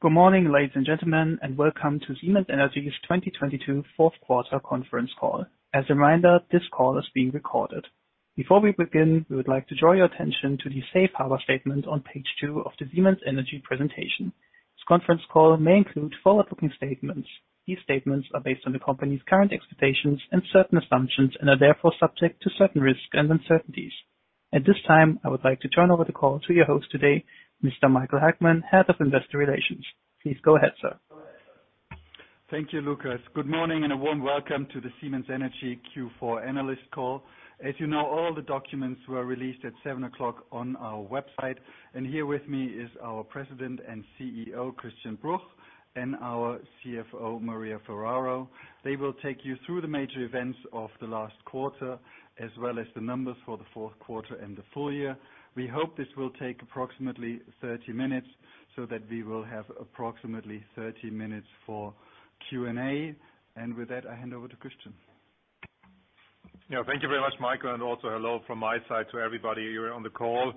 Good morning, ladies and gentlemen, and welcome to Siemens Energy's 2022 fourth quarter conference call. As a reminder, this call is being recorded. Before we begin, we would like to draw your attention to the safe harbor statement on page two of the Siemens Energy presentation. This conference call may include forward-looking statements. These statements are based on the company's current expectations and certain assumptions and are therefore subject to certain risks and uncertainties. At this time, I would like to turn over the call to your host today, Mr. Michael Hagmann, Head of Investor Relations. Please go ahead, sir. Thank you, Lucas. Good morning and a warm welcome to the Siemens Energy Q4 analyst call. As you know, all the documents were released at 7:00 A.M. on our website, and here with me is our President and CEO, Christian Bruch, and our CFO, Maria Ferraro. They will take you through the major events of the last quarter, as well as the numbers for the fourth quarter and the full year. We hope this will take approximately 30 minutes, so that we will have approximately 30 minutes for Q&A. With that, I hand over to Christian. Yeah, thank you very much, Michael, and also hello from my side to everybody here on the call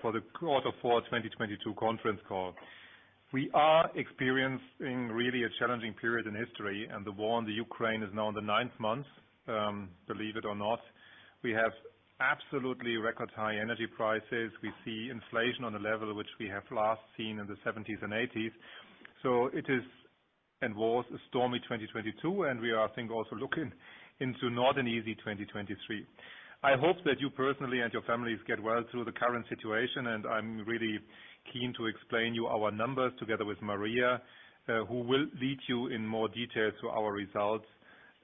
for the quarter four 2022 conference call. We are experiencing really a challenging period in history, and the war on the Ukraine is now in the ninth month, believe it or not. We have absolutely record high energy prices. We see inflation on a level which we have last seen in the seventies and eighties. It is, and was, a stormy 2022, and we are, I think, also looking into not an easy 2023. I hope that you personally and your families get well through the current situation, and I'm really keen to explain you our numbers together with Maria, who will lead you in more detail to our results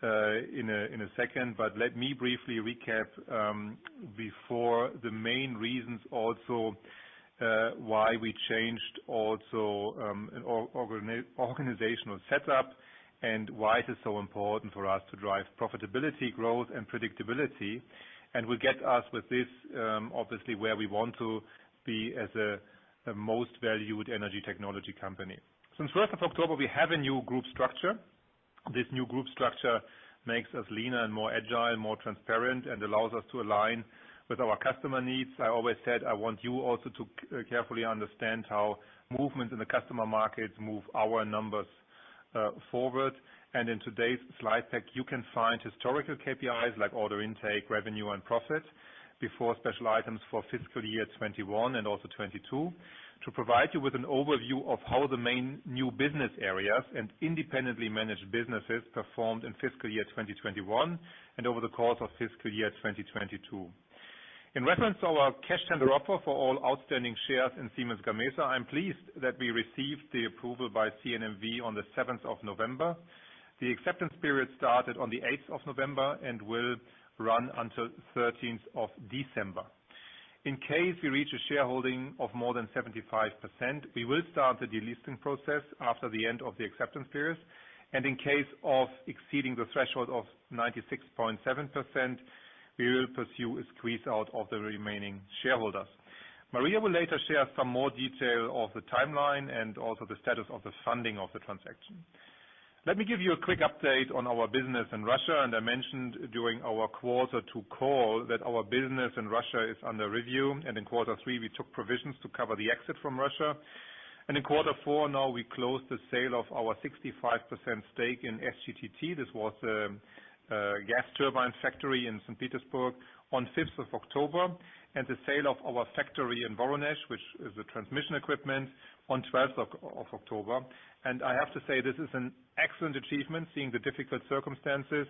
in a second. Let me briefly recap before the main reasons also why we changed also organizational setup and why this is so important for us to drive profitability, growth, and predictability. Will get us with this obviously where we want to be as a most valued energy technology company. Since first of October, we have a new group structure. This new group structure makes us leaner and more agile, more transparent, and allows us to align with our customer needs. I always said I want you also to carefully understand how movements in the customer markets move our numbers forward. In today's slide deck, you can find historical KPIs like order intake, revenue, and profit before special items for fiscal year 2021 and also 2022 to provide you with an overview of how the main new business areas and independently managed businesses performed in fiscal year 2021 and over the course of fiscal year 2022. In reference to our cash tender offer for all outstanding shares in Siemens Gamesa, I'm pleased that we received the approval by CNMV on the seventh of November. The acceptance period started on the eighth of November and will run until thirteenth of December. In case we reach a shareholding of more than 75%, we will start the delisting process after the end of the acceptance period. In case of exceeding the threshold of 96.7%, we will pursue a squeeze out of the remaining shareholders. Maria will later share some more detail of the timeline and also the status of the funding of the transaction. Let me give you a quick update on our business in Russia. I mentioned during our quarter two call that our business in Russia is under review. In quarter three, we took provisions to cover the exit from Russia. In quarter four, we closed the sale of our 65% stake in SGTT. This was a gas turbine factory in St. Petersburg on fifth of October, and the sale of our factory in Voronezh, which is the transmission equipment, on 12th of October. I have to say this is an excellent achievement, seeing the difficult circumstances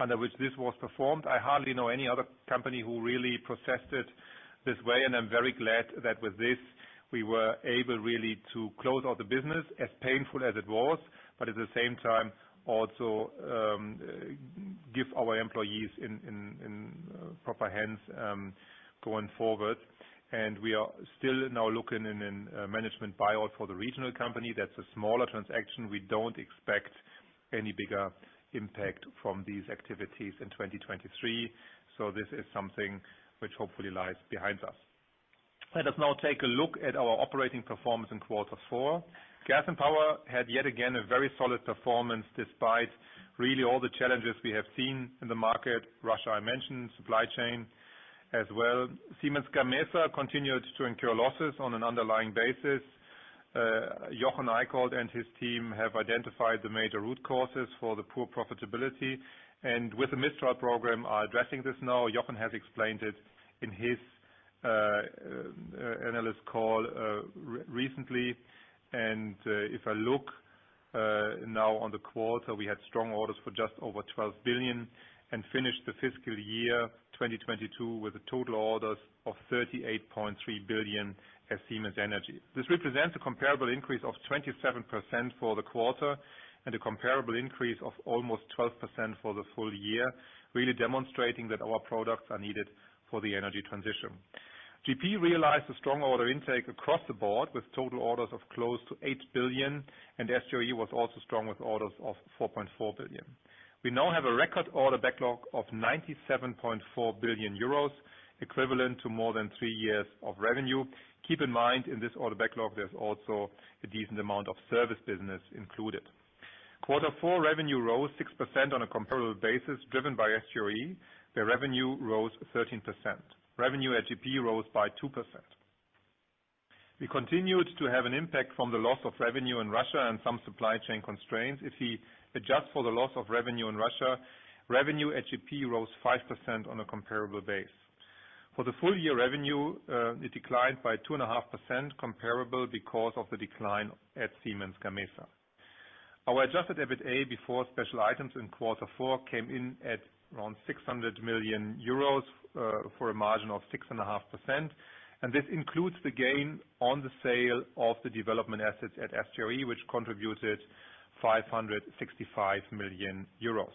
under which this was performed. I hardly know any other company who really processed it this way, and I'm very glad that with this, we were able really to close out the business, as painful as it was, but at the same time also, give our employees in proper hands, going forward. We are still now looking in a management buyout for the regional company. That's a smaller transaction. We don't expect any bigger impact from these activities in 2023. This is something which hopefully lies behind us. Let us now take a look at our operating performance in quarter four. Gas and Power had yet again a very solid performance despite really all the challenges we have seen in the market. Russia, I mentioned, supply chain as well. Siemens Gamesa continued to incur losses on an underlying basis. Jochen Eickholt and his team have identified the major root causes for the poor profitability, and with the Mistral program are addressing this now. Jochen has explained it in his analyst call recently. If I look now on the quarter, we had strong orders for just over 12 billion and finished the fiscal year 2022 with the total orders of 38.3 billion at Siemens Energy. This represents a comparable increase of 27% for the quarter and a comparable increase of almost 12% for the full year, really demonstrating that our products are needed for the energy transition. GS realized a strong order intake across the board with total orders of close to 8 billion, and SGRE was also strong with orders of 4.4 billion. We now have a record order backlog of 97.4 billion euros, equivalent to more than three years of revenue. Keep in mind, in this order backlog, there's also a decent amount of service business included. Quarter four revenue rose 6% on a comparable basis, driven by SGRE, where revenue rose 13%. Revenue at GP rose by 2%. We continued to have an impact from the loss of revenue in Russia and some supply chain constraints. If we adjust for the loss of revenue in Russia, revenue at GP rose 5% on a comparable basis. For the full year revenue, it declined by 2.5% comparable because of the decline at Siemens Gamesa. Our Adjusted EBITDA before special items in quarter four came in at around 600 million euros, for a margin of 6.5%. This includes the gain on the sale of the development assets at SGRE, which contributed 565 million euros.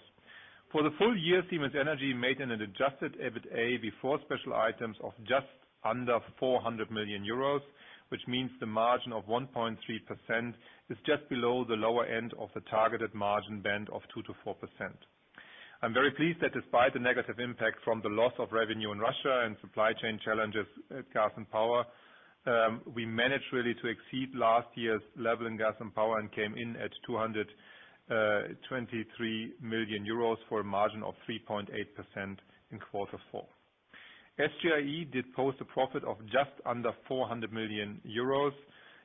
For the full year, Siemens Energy made an Adjusted EBITDA before special items of just under 400 million euros, which means the margin of 1.3% is just below the lower end of the targeted margin band of 2%-4%. I'm very pleased that despite the negative impact from the loss of revenue in Russia and supply chain challenges at Gas and Power, we managed really to exceed last year's level in Gas and Power and came in at 223 million euros for a margin of 3.8% in quarter four. SGRE did post a profit of just under 400 million euros.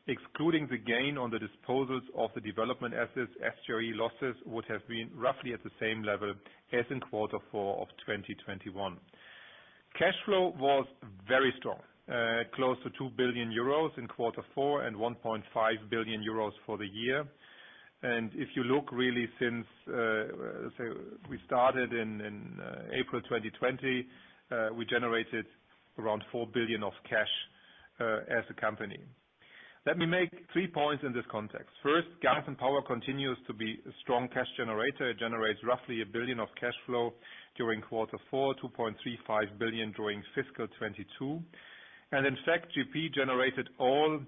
Excluding the gain on the disposals of the development assets, SGRE losses would have been roughly at the same level as in quarter four of 2021. Cash flow was very strong, close to 2 billion euros in quarter four and 1.5 billion euros for the year. If you look really since, say we started in April 2020, we generated around 4 billion of cash as a company. Let me make three points in this context. First, Gas and Power continues to be a strong cash generator. It generates roughly 1 billion of cash flow during quarter four, 2.35 billion during fiscal 2022. In fact, GP generated all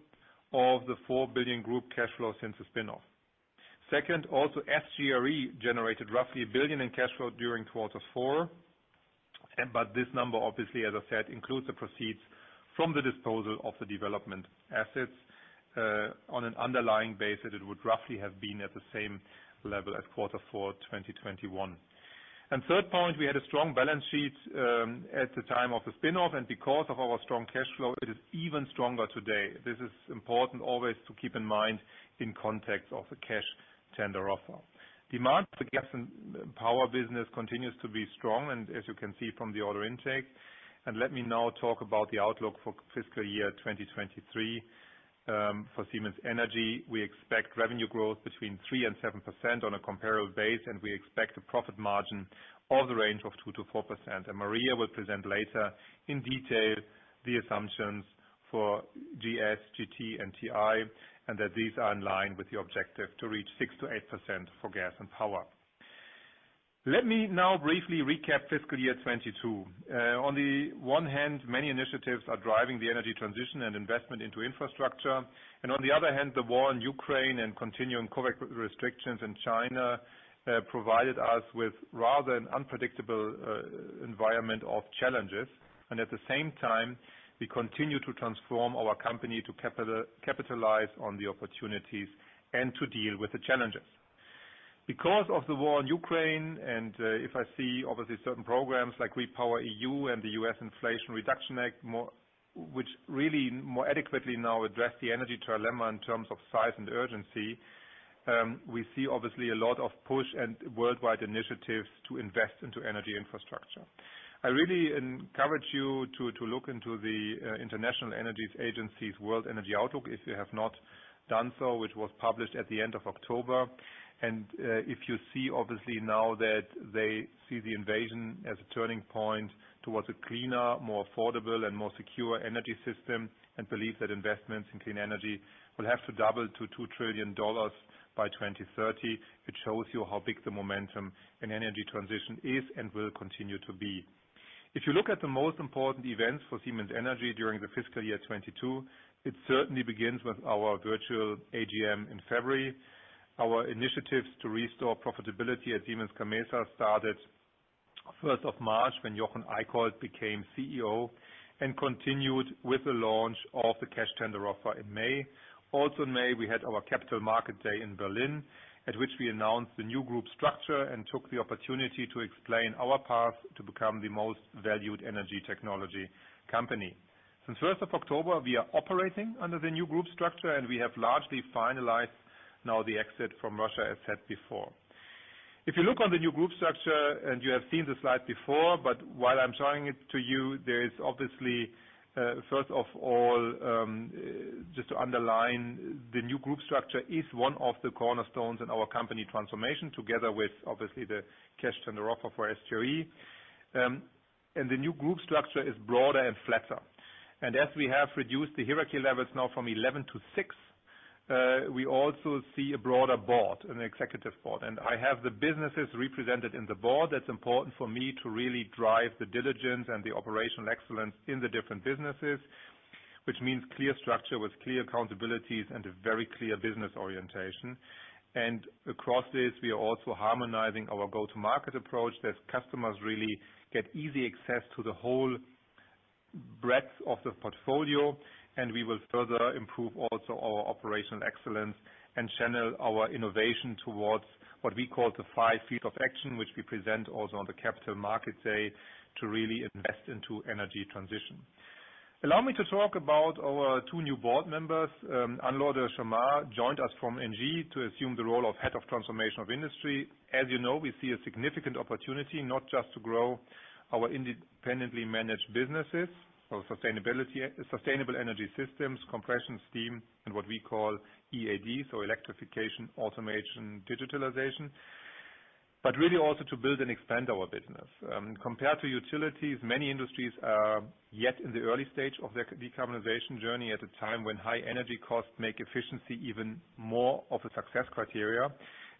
of the 4 billion group cash flow since the spin-off. Second, also SGRE generated roughly 1 billion in cash flow during quarter four. This number obviously, as I said, includes the proceeds from the disposal of the development assets. On an underlying basis, it would roughly have been at the same level as Q4 2021. Third point, we had a strong balance sheet at the time of the spin-off, and because of our strong cash flow, it is even stronger today. This is important always to keep in mind in context of the cash tender offer. Demand for Gas and Power business continues to be strong and as you can see from the order intake. Let me now talk about the outlook for fiscal year 2023 for Siemens Energy. We expect revenue growth between 3% and 7% on a comparable base, and we expect a profit margin of the range of 2%-4%. Maria will present later in detail the assumptions for GS, GT, and TI, and that these are in line with the objective to reach 6%-8% for Gas and Power. Let me now briefly recap fiscal year 2022. On the one hand, many initiatives are driving the energy transition and investment into infrastructure, and on the other hand, the war in Ukraine and continuing COVID restrictions in China provided us with rather an unpredictable environment of challenges. At the same time, we continue to transform our company to capitalize on the opportunities and to deal with the challenges. Because of the war in Ukraine, if I see obviously certain programs like REPowerEU and the US Inflation Reduction Act more, which really more adequately now address the energy dilemma in terms of size and urgency, we see obviously a lot of push and worldwide initiatives to invest into energy infrastructure. I really encourage you to look into the International Energy Agency's World Energy Outlook, if you have not done so, which was published at the end of October. If you see obviously now that they see the invasion as a turning point towards a cleaner, more affordable and more secure energy system, and believe that investments in clean energy will have to double to $2 trillion by 2030. It shows you how big the momentum in energy transition is and will continue to be. If you look at the most important events for Siemens Energy during the fiscal year 2022, it certainly begins with our virtual AGM in February. Our initiatives to restore profitability at Siemens Gamesa started March 1, when Jochen Eickholt became CEO and continued with the launch of the cash tender offer in May. Also in May, we had our Capital Market Day in Berlin, at which we announced the new group structure and took the opportunity to explain our path to become the most valued energy technology company. Since October 1, we are operating under the new group structure, and we have largely finalized now the exit from Russia, as said before. If you look on the new group structure, and you have seen the slide before, but while I'm showing it to you, there is obviously first of all just to underline the new group structure is one of the cornerstones in our company transformation, together with obviously the cash tender offer for SGRE. The new group structure is broader and flatter. As we have reduced the hierarchy levels now from 11-6 we also see a broader board, an executive board. I have the businesses represented in the board. That's important for me to really drive the diligence and the operational excellence in the different businesses, which means clear structure with clear accountabilities and a very clear business orientation. Across this, we are also harmonizing our go-to-market approach that customers really get easy access to the whole breadth of the portfolio, and we will further improve also our operational excellence and channel our innovation towards what we call the five fields of action, which we present also on the Capital Market Day to really invest into energy transition. Allow me to talk about our two new board members. Anne-Laure de Chammard joined us from ENGIE to assume the role of head of Transformation of Industry. As you know, we see a significant opportunity not just to grow our independently managed businesses in sustainability, Sustainable Energy Systems, compression steam, and what we call EADs, so electrification, automation, digitalization. Really also to build and expand our business. Compared to utilities, many industries are yet in the early stage of their decarbonization journey at a time when high energy costs make efficiency even more of a success criteria.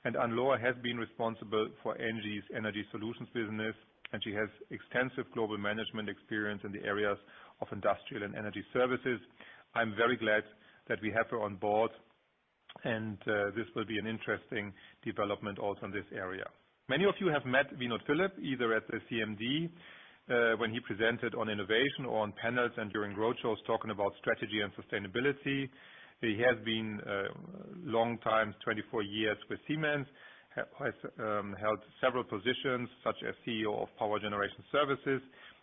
Anne-Laure de Chammard has been responsible for ENGIE's Energy Solutions business, and she has extensive global management experience in the areas of industrial and energy services. I'm very glad that we have her on board, and this will be an interesting development also in this area. Many of you have met Vinod Philip, either at the CMD, when he presented on innovation or on panels and during roadshows talking about strategy and sustainability. He has been long time, 24 years with Siemens. Has held several positions such as CEO of Power Generation Services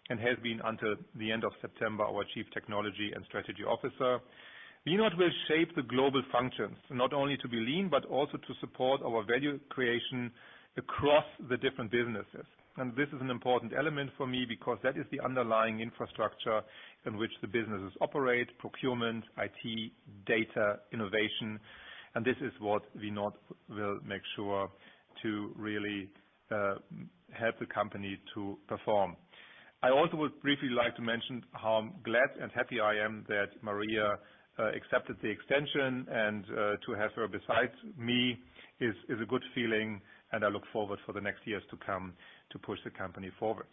and has been, until the end of September, our Chief Technology and Strategy Officer. Vinod Philip will shape the global functions, not only to be lean, but also to support our value creation across the different businesses. This is an important element for me because that is the underlying infrastructure in which the businesses operate, procurement, IT, data, innovation. This is what Vinod Philip will make sure to really help the company to perform. I also would briefly like to mention how glad and happy I am that Maria Ferraro accepted the extension and to have her besides me is a good feeling, and I look forward for the next years to come to push the company forward.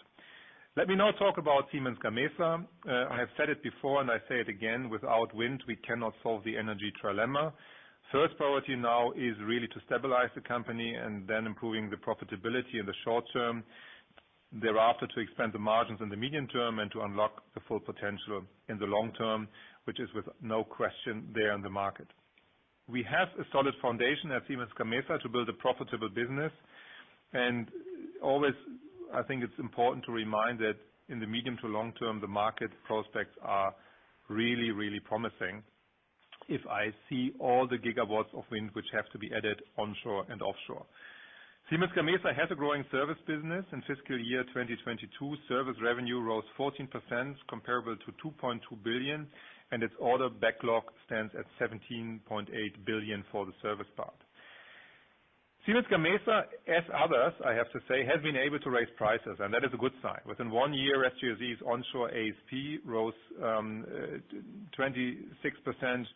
Let me now talk about Siemens Gamesa. I have said it before and I say it again, without wind, we cannot solve the energy trilemma. First priority now is really to stabilize the company and then improving the profitability in the short term. Thereafter, to expand the margins in the medium term and to unlock the full potential in the long term, which is with no question there in the market. We have a solid foundation at Siemens Gamesa to build a profitable business, and always, I think it's important to remind that in the medium to long term, the market prospects are really, really promising, if I see all the gigawatts of wind which have to be added onshore and offshore. Siemens Gamesa has a growing service business. In fiscal year 2022, service revenue rose 14% comparable to 2.2 billion, and its order backlog stands at 17.8 billion for the service part. Siemens Gamesa, as others, I have to say, has been able to raise prices, and that is a good sign. Within one year, SGRE's onshore ASP rose 26%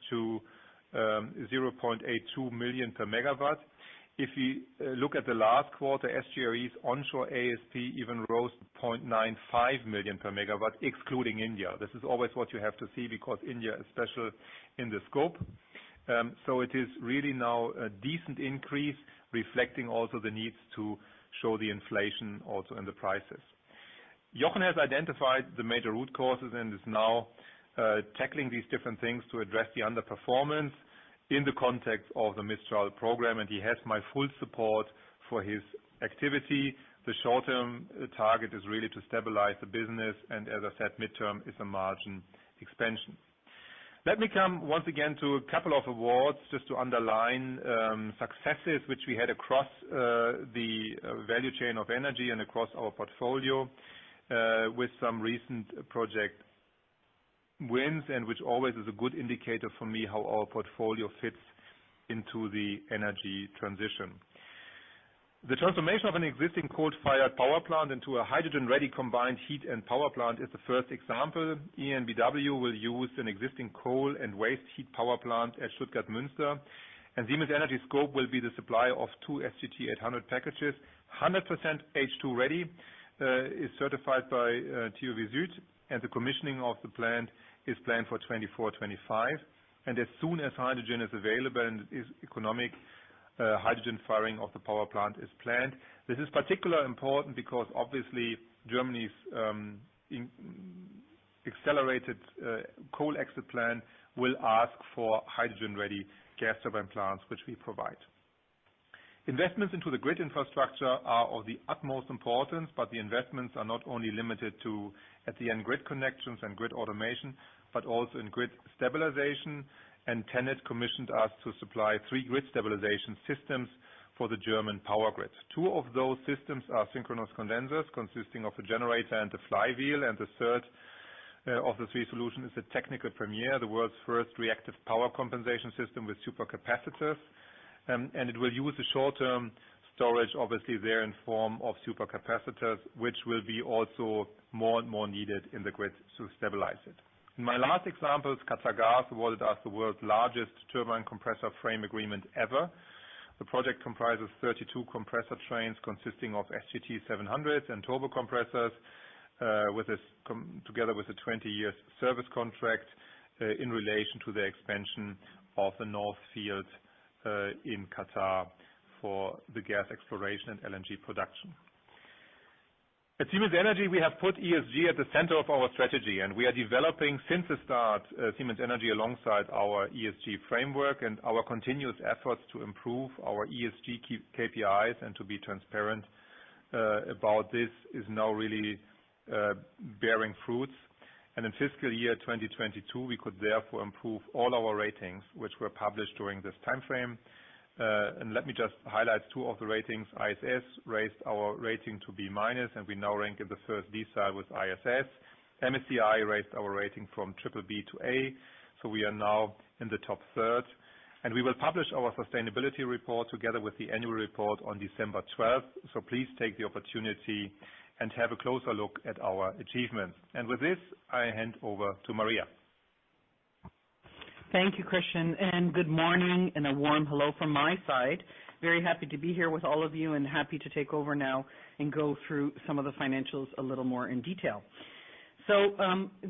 to 0.82 million per MW. If you look at the last quarter, SGRE's onshore ASP even rose to 0.95 million per MW, excluding India. This is always what you have to see because India is special in the scope. It is really now a decent increase reflecting also the needs to show the inflation also in the prices. Jochen has identified the major root causes and is now tackling these different things to address the underperformance in the context of the Mistral program, and he has my full support for his activity. The short-term target is really to stabilize the business, and as I said, midterm is a margin expansion. Let me come once again to a couple of awards just to underline successes which we had across the value chain of energy and across our portfolio with some recent project wins and which always is a good indicator for me how our portfolio fits into the energy transition. The transformation of an existing coal-fired power plant into a hydrogen-ready combined heat and power plant is the first example. EnBW will use an existing coal and waste heat power plant at Stuttgart-Münster, and Siemens Energy scope will be the supply of two SGT-800 packages. 100% H2 ready is certified by TÜV SÜD, and the commissioning of the plant is planned for 2024-2025. As soon as hydrogen is available and is economic, hydrogen firing of the power plant is planned. This is particularly important because obviously Germany's accelerated coal exit plan will ask for hydrogen-ready gas turbine plants, which we provide. Investments into the grid infrastructure are of the utmost importance, but the investments are not only limited to, at the end, grid connections and grid automation, but also in grid stabilization. TenneT commissioned us to supply three grid stabilization systems for the German power grid. Two of those systems are synchronous condensers consisting of a generator and a flywheel, and the third of the three solution is a technical premiere, the world's first reactive power compensation system with super capacitors. It will use the short-term storage, obviously, there in form of super capacitors, which will be also more and more needed in the grid to stabilize it. My last example is QatarGas awarded us the world's largest turbine compressor frame agreement ever. The project comprises 32 compressor trains consisting of SGT-700s and turbo compressors, together with a 20-year service contract, in relation to the expansion of the North Field in Qatar for the gas exploration and LNG production. At Siemens Energy, we have put ESG at the center of our strategy, and we are developing since the start, Siemens Energy alongside our ESG framework and our continuous efforts to improve our ESG KPIs and to be transparent about this is now really bearing fruits. In fiscal year 2022, we could therefore improve all our ratings, which were published during this time frame. Let me just highlight two of the ratings. ISS raised our rating to B-, and we now rank in the first decile with ISS. MSCI raised our rating from BBB to A, so we are now in the top third. We will publish our sustainability report together with the annual report on December 12th. Please take the opportunity and have a closer look at our achievements. With this, I hand over to Maria. Thank you, Christian, and good morning and a warm hello from my side. Very happy to be here with all of you and happy to take over now and go through some of the financials a little more in detail.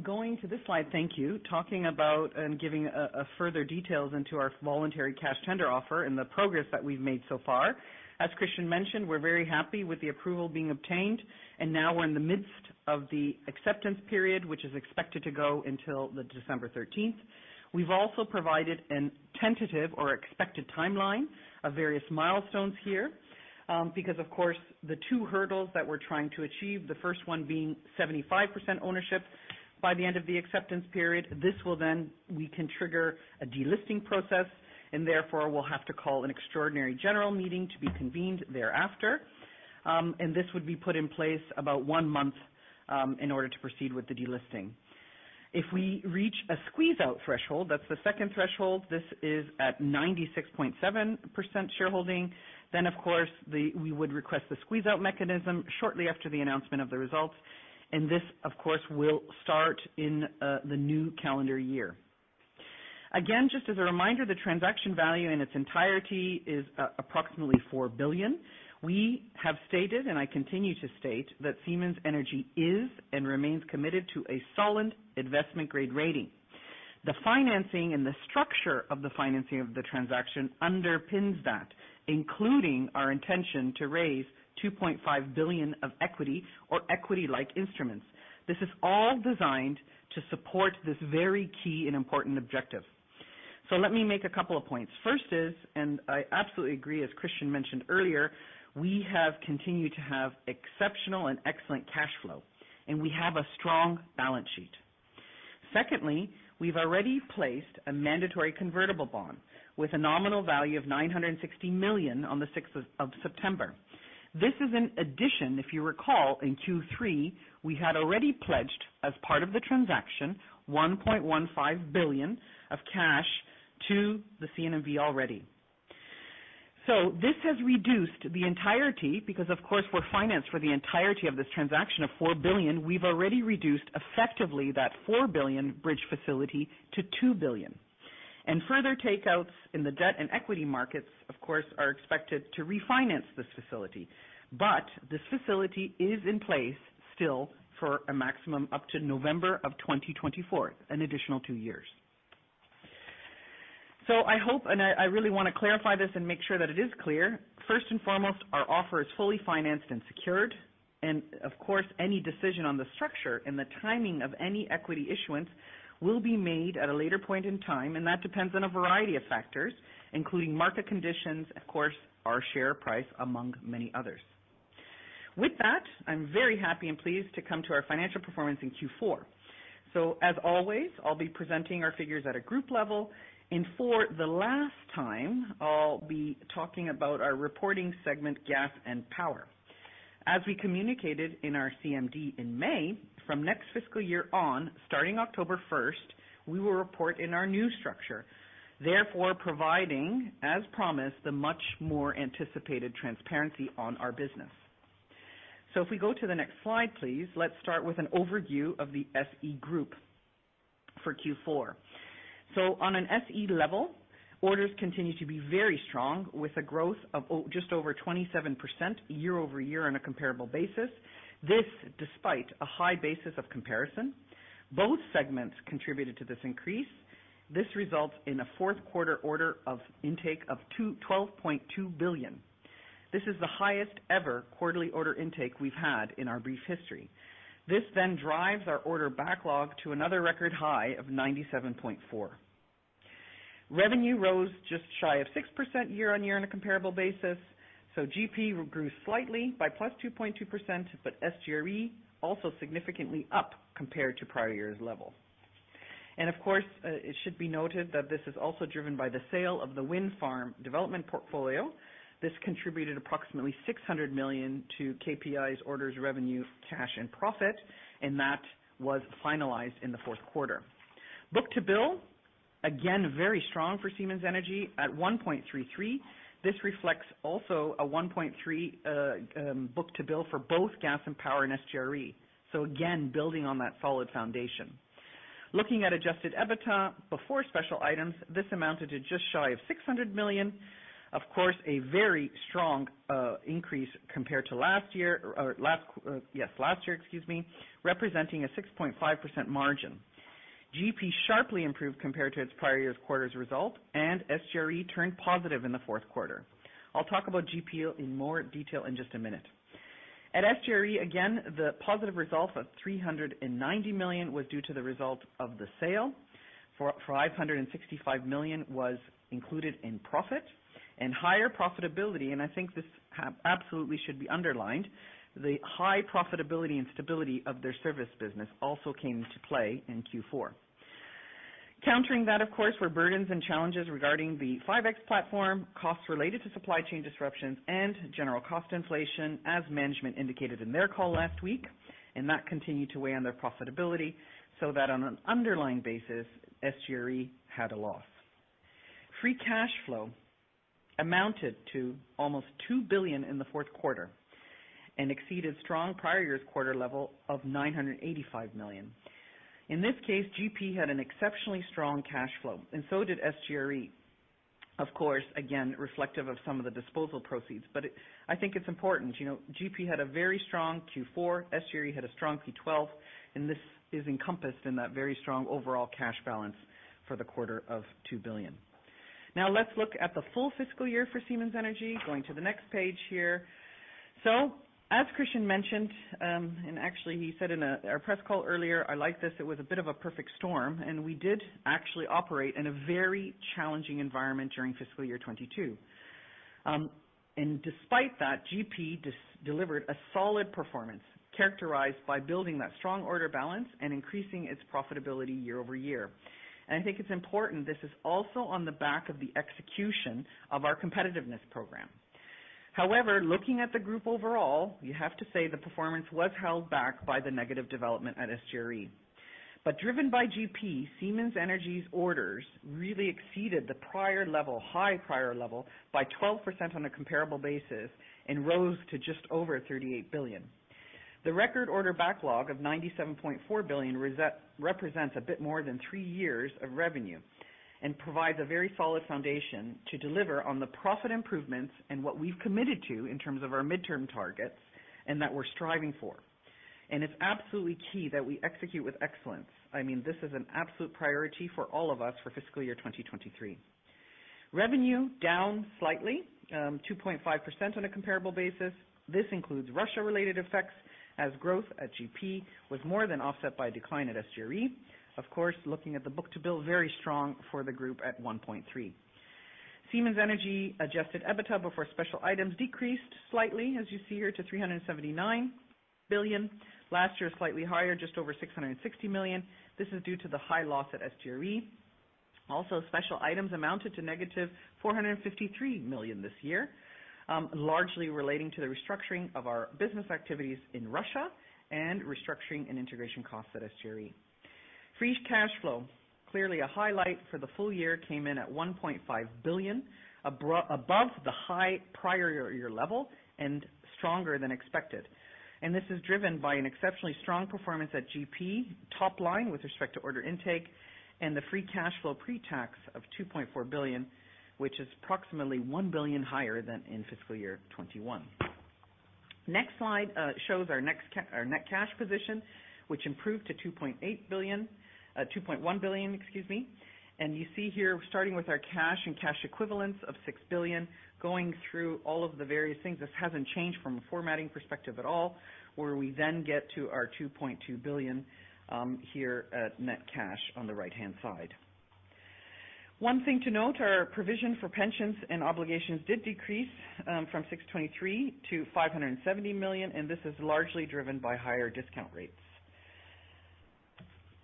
Going to this slide, thank you. Talking about and giving a further details into our voluntary cash tender offer and the progress that we've made so far. As Christian mentioned, we're very happy with the approval being obtained, and now we're in the midst of the acceptance period, which is expected to go until December thirteenth. We've also provided a tentative or expected timeline of various milestones here, because of course, the two hurdles that we're trying to achieve, the first one being 75% ownership by the end of the acceptance period. We can trigger a delisting process, and therefore we'll have to call an extraordinary general meeting to be convened thereafter. This would be put in place about one month in order to proceed with the delisting. If we reach a squeeze out threshold, that's the second threshold. This is at 96.7% shareholding. We would request the squeeze out mechanism shortly after the announcement of the results, and this, of course, will start in the new calendar year. Again, just as a reminder, the transaction value in its entirety is approximately 4 billion. We have stated, and I continue to state, that Siemens Energy is and remains committed to a solid investment-grade rating. The financing and the structure of the financing of the transaction underpins that, including our intention to raise 2.5 billion of equity or equity-like instruments. This is all designed to support this very key and important objective. Let me make a couple of points. First is, and I absolutely agree, as Christian mentioned earlier, we have continued to have exceptional and excellent cash flow, and we have a strong balance sheet. Secondly, we've already placed a mandatory convertible bond with a nominal value of 960 million on the sixth of September. This is an addition. If you recall, in Q3 we had already pledged, as part of the transaction, 1.15 billion of cash to the CNMV already. This has reduced the entirety because of course, we're financed for the entirety of this transaction of 4 billion. We've already reduced effectively that 4 billion bridge facility to 2 billion. Further takeouts in the debt and equity markets of course are expected to refinance this facility. This facility is in place still for a maximum up to November of 2024, an additional two years. I hope, and I really wanna clarify this and make sure that it is clear, first and foremost, our offer is fully financed and secured. Of course, any decision on the structure and the timing of any equity issuance will be made at a later point in time, and that depends on a variety of factors, including market conditions, of course, our share price, among many others. With that, I'm very happy and pleased to come to our financial performance in Q4. As always, I'll be presenting our figures at a group level. For the last time, I'll be talking about our reporting segment, Gas and Power. As we communicated in our CMD in May, from next fiscal year on, starting October 1, we will report in our new structure, therefore providing, as promised, the much more anticipated transparency on our business. If we go to the next slide, please. Let's start with an overview of the SE group for Q4. On an SE level, orders continue to be very strong with a growth of just over 27% year-over-year on a comparable basis. This despite a high basis of comparison. Both segments contributed to this increase. This results in a fourth quarter order intake of 12.2 billion. This is the highest ever quarterly order intake we've had in our brief history. This drives our order backlog to another record high of 97.4 billion. Revenue rose just shy of 6% year-on-year on a comparable basis. GP grew slightly by +2.2%, but SGRE also significantly up compared to prior year's level. Of course, it should be noted that this is also driven by the sale of the wind farm development portfolio. This contributed approximately 600 million to KPIs' orders, revenue, cash and profit and that was finalized in the fourth quarter. Book-to-bill, again, very strong for Siemens Energy at 1.33. This reflects also a 1.3 book-to-bill for both Gas and Power and SGRE. Again, building on that solid foundation. Looking at Adjusted EBITDA before special items, this amounted to just shy of 600 million. Of course, a very strong increase compared to last year, representing a 6.5% margin. GP sharply improved compared to its prior year's quarter's result, and SGRE turned positive in the fourth quarter. I'll talk about GP in more detail in just a minute. At SGRE, again, the positive result of 390 million was due to the result of the sale. 465 million was included in profit. Higher profitability, and I think this absolutely should be underlined, the high profitability and stability of their service business also came into play in Q4. Countering that, of course, were burdens and challenges regarding the 5X platform, costs related to supply chain disruptions and general cost inflation, as management indicated in their call last week, and that continued to weigh on their profitability, so that on an underlying basis, SGRE had a loss. Free cash flow amounted to almost 2 billion in the fourth quarter and exceeded strong prior year's quarter level of 985 million. In this case, GP had an exceptionally strong cash flow, and so did SGRE. Of course, again, reflective of some of the disposal proceeds. I think it's important, you know, GP had a very strong Q4, SGRE had a strong Q4, and this is encompassed in that very strong overall cash balance for the quarter of 2 billion. Now let's look at the full fiscal year for Siemens Energy. Going to the next page here. As Christian mentioned, and actually he said in our press call earlier, I like this. It was a bit of a perfect storm, and we did actually operate in a very challenging environment during fiscal year 2022. Despite that, GS delivered a solid performance characterized by building that strong order backlog and increasing its profitability year-over-year. I think it's important, this is also on the back of the execution of our competitiveness program. However, looking at the group overall, you have to say the performance was held back by the negative development at SGRE. Driven by GS, Siemens Energy's orders really exceeded the prior level, high prior level, by 12% on a comparable basis and rose to just over 38 billion. The record order backlog of 97.4 billion represents a bit more than three years of revenue and provides a very solid foundation to deliver on the profit improvements and what we've committed to in terms of our midterm targets and that we're striving for. It's absolutely key that we execute with excellence. I mean, this is an absolute priority for all of us for fiscal year 2023. Revenue down slightly, 2.5% on a comparable basis. This includes Russia-related effects, as growth at GP was more than offset by decline at SGRE. Of course, looking at the book-to-bill, very strong for the group at 1.3. Siemens Energy Adjusted EBITDA before special items decreased slightly, as you see here, to 379 million. Last year, slightly higher, just over 660 million. This is due to the high loss at SGRE. Also, special items amounted to negative 453 million this year, largely relating to the restructuring of our business activities in Russia and restructuring and integration costs at SGRE. Free cash flow, clearly a highlight for the full year, came in at 1.5 billion, above the high prior year level and stronger than expected. This is driven by an exceptionally strong performance at GP, top line with respect to order intake and the free cash flow pre-tax of EUR 2.4 billion, which is approximately EUR 1 billion higher than in fiscal year 2021. Next slide shows our net cash position, which improved to 2.8 billion, 2.1 billion, excuse me. You see here, starting with our cash and cash equivalents of 6 billion, going through all of the various things, this hasn't changed from a formatting perspective at all, where we then get to our 2.2 billion here at net cash on the right-hand side. One thing to note, our provision for pensions and obligations did decrease from 623 million to 570 million, and this is largely driven by higher discount rates.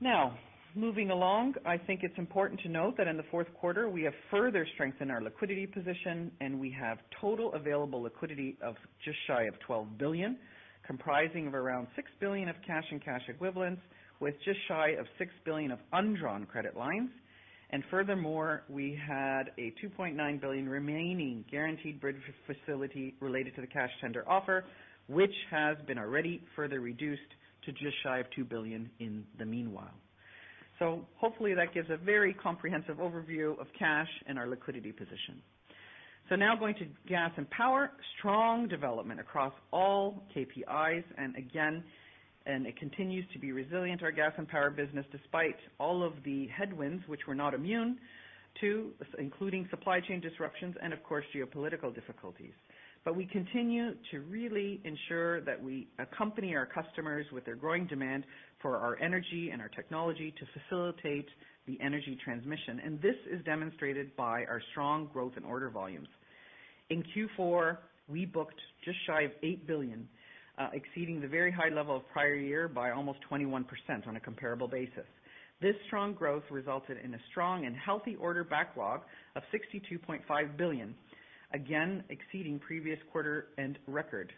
Now, moving along, I think it's important to note that in the fourth quarter, we have further strengthened our liquidity position, and we have total available liquidity of just shy of 12 billion, comprising of around 6 billion of cash and cash equivalents, with just shy of 6 billion of undrawn credit lines. Furthermore, we had a 2.9 billion remaining guaranteed bridge facility related to the cash tender offer, which has been already further reduced to just shy of 2 billion in the meanwhile. Hopefully that gives a very comprehensive overview of cash and our liquidity position. Now going to Gas and Power. Strong development across all KPIs. Again, it continues to be resilient, our Gas and Power business, despite all of the headwinds which we're not immune to, including supply chain disruptions and of course, geopolitical difficulties. We continue to really ensure that we accompany our customers with their growing demand for our energy and our technology to facilitate the energy transition. This is demonstrated by our strong growth in order volumes. In Q4, we booked just shy of 8 billion, exceeding the very high level of prior year by almost 21% on a comparable basis. This strong growth resulted in a strong and healthy order backlog of 62.5 billion, again exceeding previous quarter and record.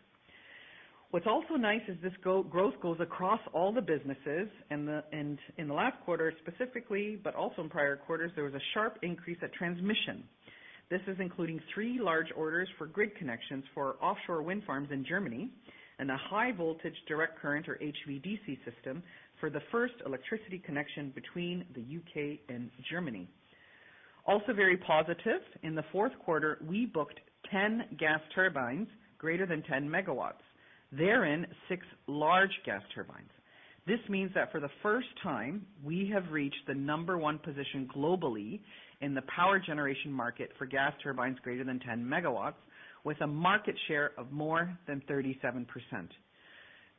What's also nice is this growth goes across all the businesses. In the last quarter specifically, but also in prior quarters, there was a sharp increase at transmission. This is including three large orders for grid connections for offshore wind farms in Germany and a high voltage direct current, or HVDC system, for the first electricity connection between the U.K. and Germany. Also very positive, in the fourth quarter, we booked 10 gas turbines greater than 10 MWs, therein six large gas turbines. This means that for the first time, we have reached the number one position globally in the power generation market for gas turbines greater than 10 MWs with a market share of more than 37%.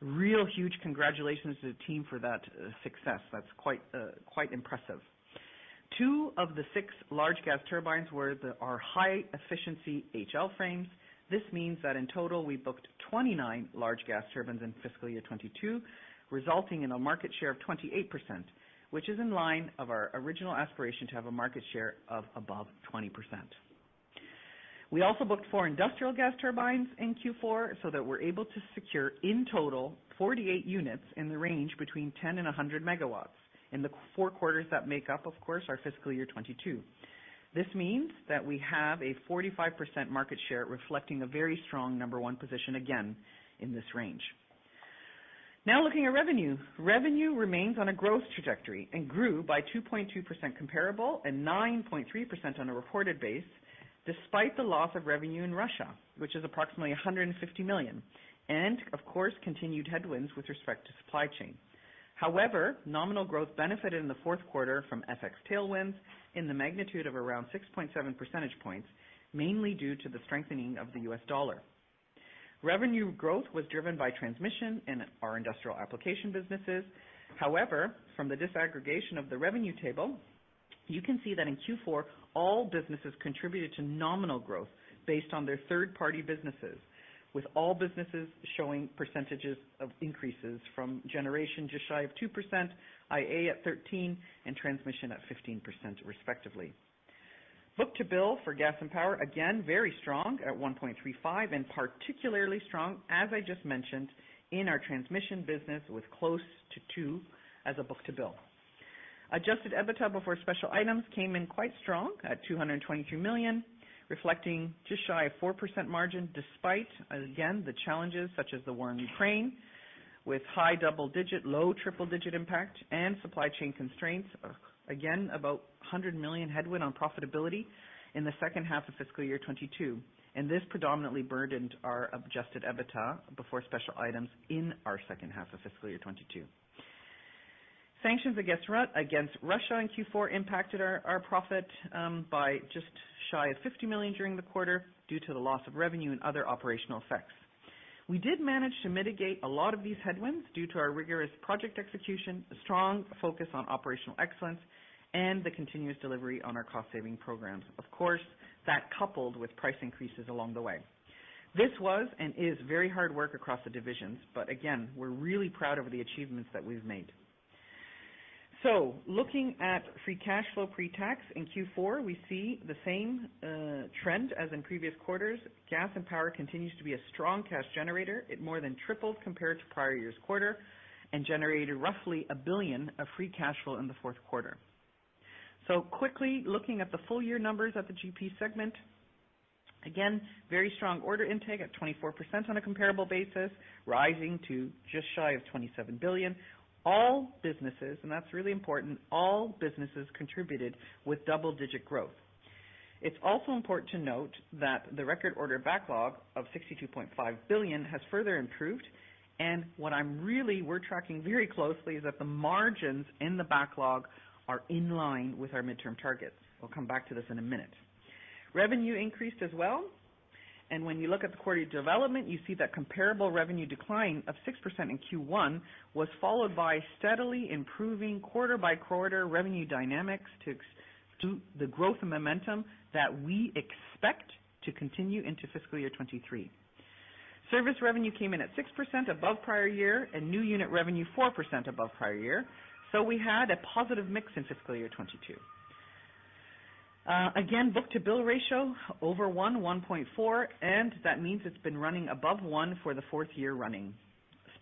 Real huge congratulations to the team for that success. That's quite impressive. Two of the six large gas turbines were our high efficiency HL frames. This means that in total, we booked 29 large gas turbines in fiscal year 2022, resulting in a market share of 28%, which is in line with our original aspiration to have a market share of above 20%. We also booked four industrial gas turbines in Q4 so that we're able to secure in total 48 units in the range between 10 and 100 MWs in the four quarters that make up, of course, our fiscal year 2022. This means that we have a 45% market share, reflecting a very strong number one position again in this range. Now looking at revenue. Revenue remains on a growth trajectory and grew by 2.2% comparable and 9.3% on a reported base, despite the loss of revenue in Russia, which is approximately 150 million, and of course, continued headwinds with respect to supply chain. However, nominal growth benefited in the fourth quarter from FX tailwinds in the magnitude of around 6.7 percentage points, mainly due to the strengthening of the U.S. dollar. Revenue growth was driven by transmission in our industrial application businesses. However, from the disaggregation of the revenue table, you can see that in Q4, all businesses contributed to nominal growth based on their third-party businesses, with all businesses showing percentages of increases from generation just shy of 2%, IA at 13%, and transmission at 15% respectively. Book-to-bill for Gas and Power, again, very strong at 1.35 and particularly strong, as I just mentioned, in our transmission business with close to two as a book-to-bill. Adjusted EBITDA before special items came in quite strong at 223 million, reflecting just shy of 4% margin despite again the challenges such as the war in Ukraine with high double-digit, low triple-digit impact and supply chain constraints. Again, about 100 million headwind on profitability in the second half of fiscal year 2022, and this predominantly burdened our Adjusted EBITDA before special items in our second half of fiscal year 2022. Sanctions against Russia in Q4 impacted our profit by just shy of 50 million during the quarter due to the loss of revenue and other operational effects. We did manage to mitigate a lot of these headwinds due to our rigorous project execution, a strong focus on operational excellence, and the continuous delivery on our cost-saving programs. Of course, that coupled with price increases along the way. This was, and is very hard work across the divisions, but again, we're really proud of the achievements that we've made. Looking at free cash flow pre-tax in Q4, we see the same trend as in previous quarters. Gas and Power continues to be a strong cash generator. It more than tripled compared to prior year's quarter and generated roughly 1 billion of free cash flow in the fourth quarter. Quickly looking at the full year numbers of the GP segment, again, very strong order intake at 24% on a comparable basis, rising to just shy of 27 billion. All businesses, and that's really important, all businesses contributed with double-digit growth. It's also important to note that the record order backlog of 62.5 billion has further improved. What we're tracking very closely is that the margins in the backlog are in line with our midterm targets. We'll come back to this in a minute. Revenue increased as well. When you look at the quarter development, you see that comparable revenue decline of 6% in Q1 was followed by steadily improving quarter-by-quarter revenue dynamics to the growth and momentum that we expect to continue into fiscal year 2023. Service revenue came in at 6% above prior year and new unit revenue 4% above prior year. We had a positive mix in fiscal year 2022. Again, book-to-bill ratio over 1.4, and that means it's been running above one for the fourth year running.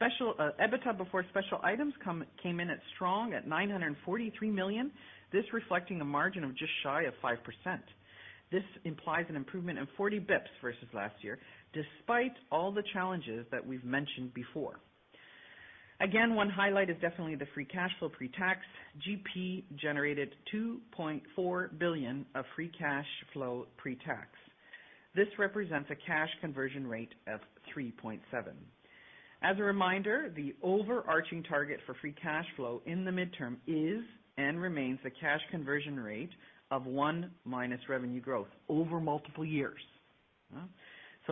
EBITDA before special items came in strong at 943 million. This reflecting a margin of just shy of 5%. This implies an improvement of 40 basis points versus last year, despite all the challenges that we've mentioned before. Again, one highlight is definitely the free cash flow pre-tax. GP generated 2.4 billion of free cash flow pre-tax. This represents a cash conversion rate of 3.7%. As a reminder, the overarching target for free cash flow in the midterm is and remains a cash conversion rate of one minus revenue growth over multiple years.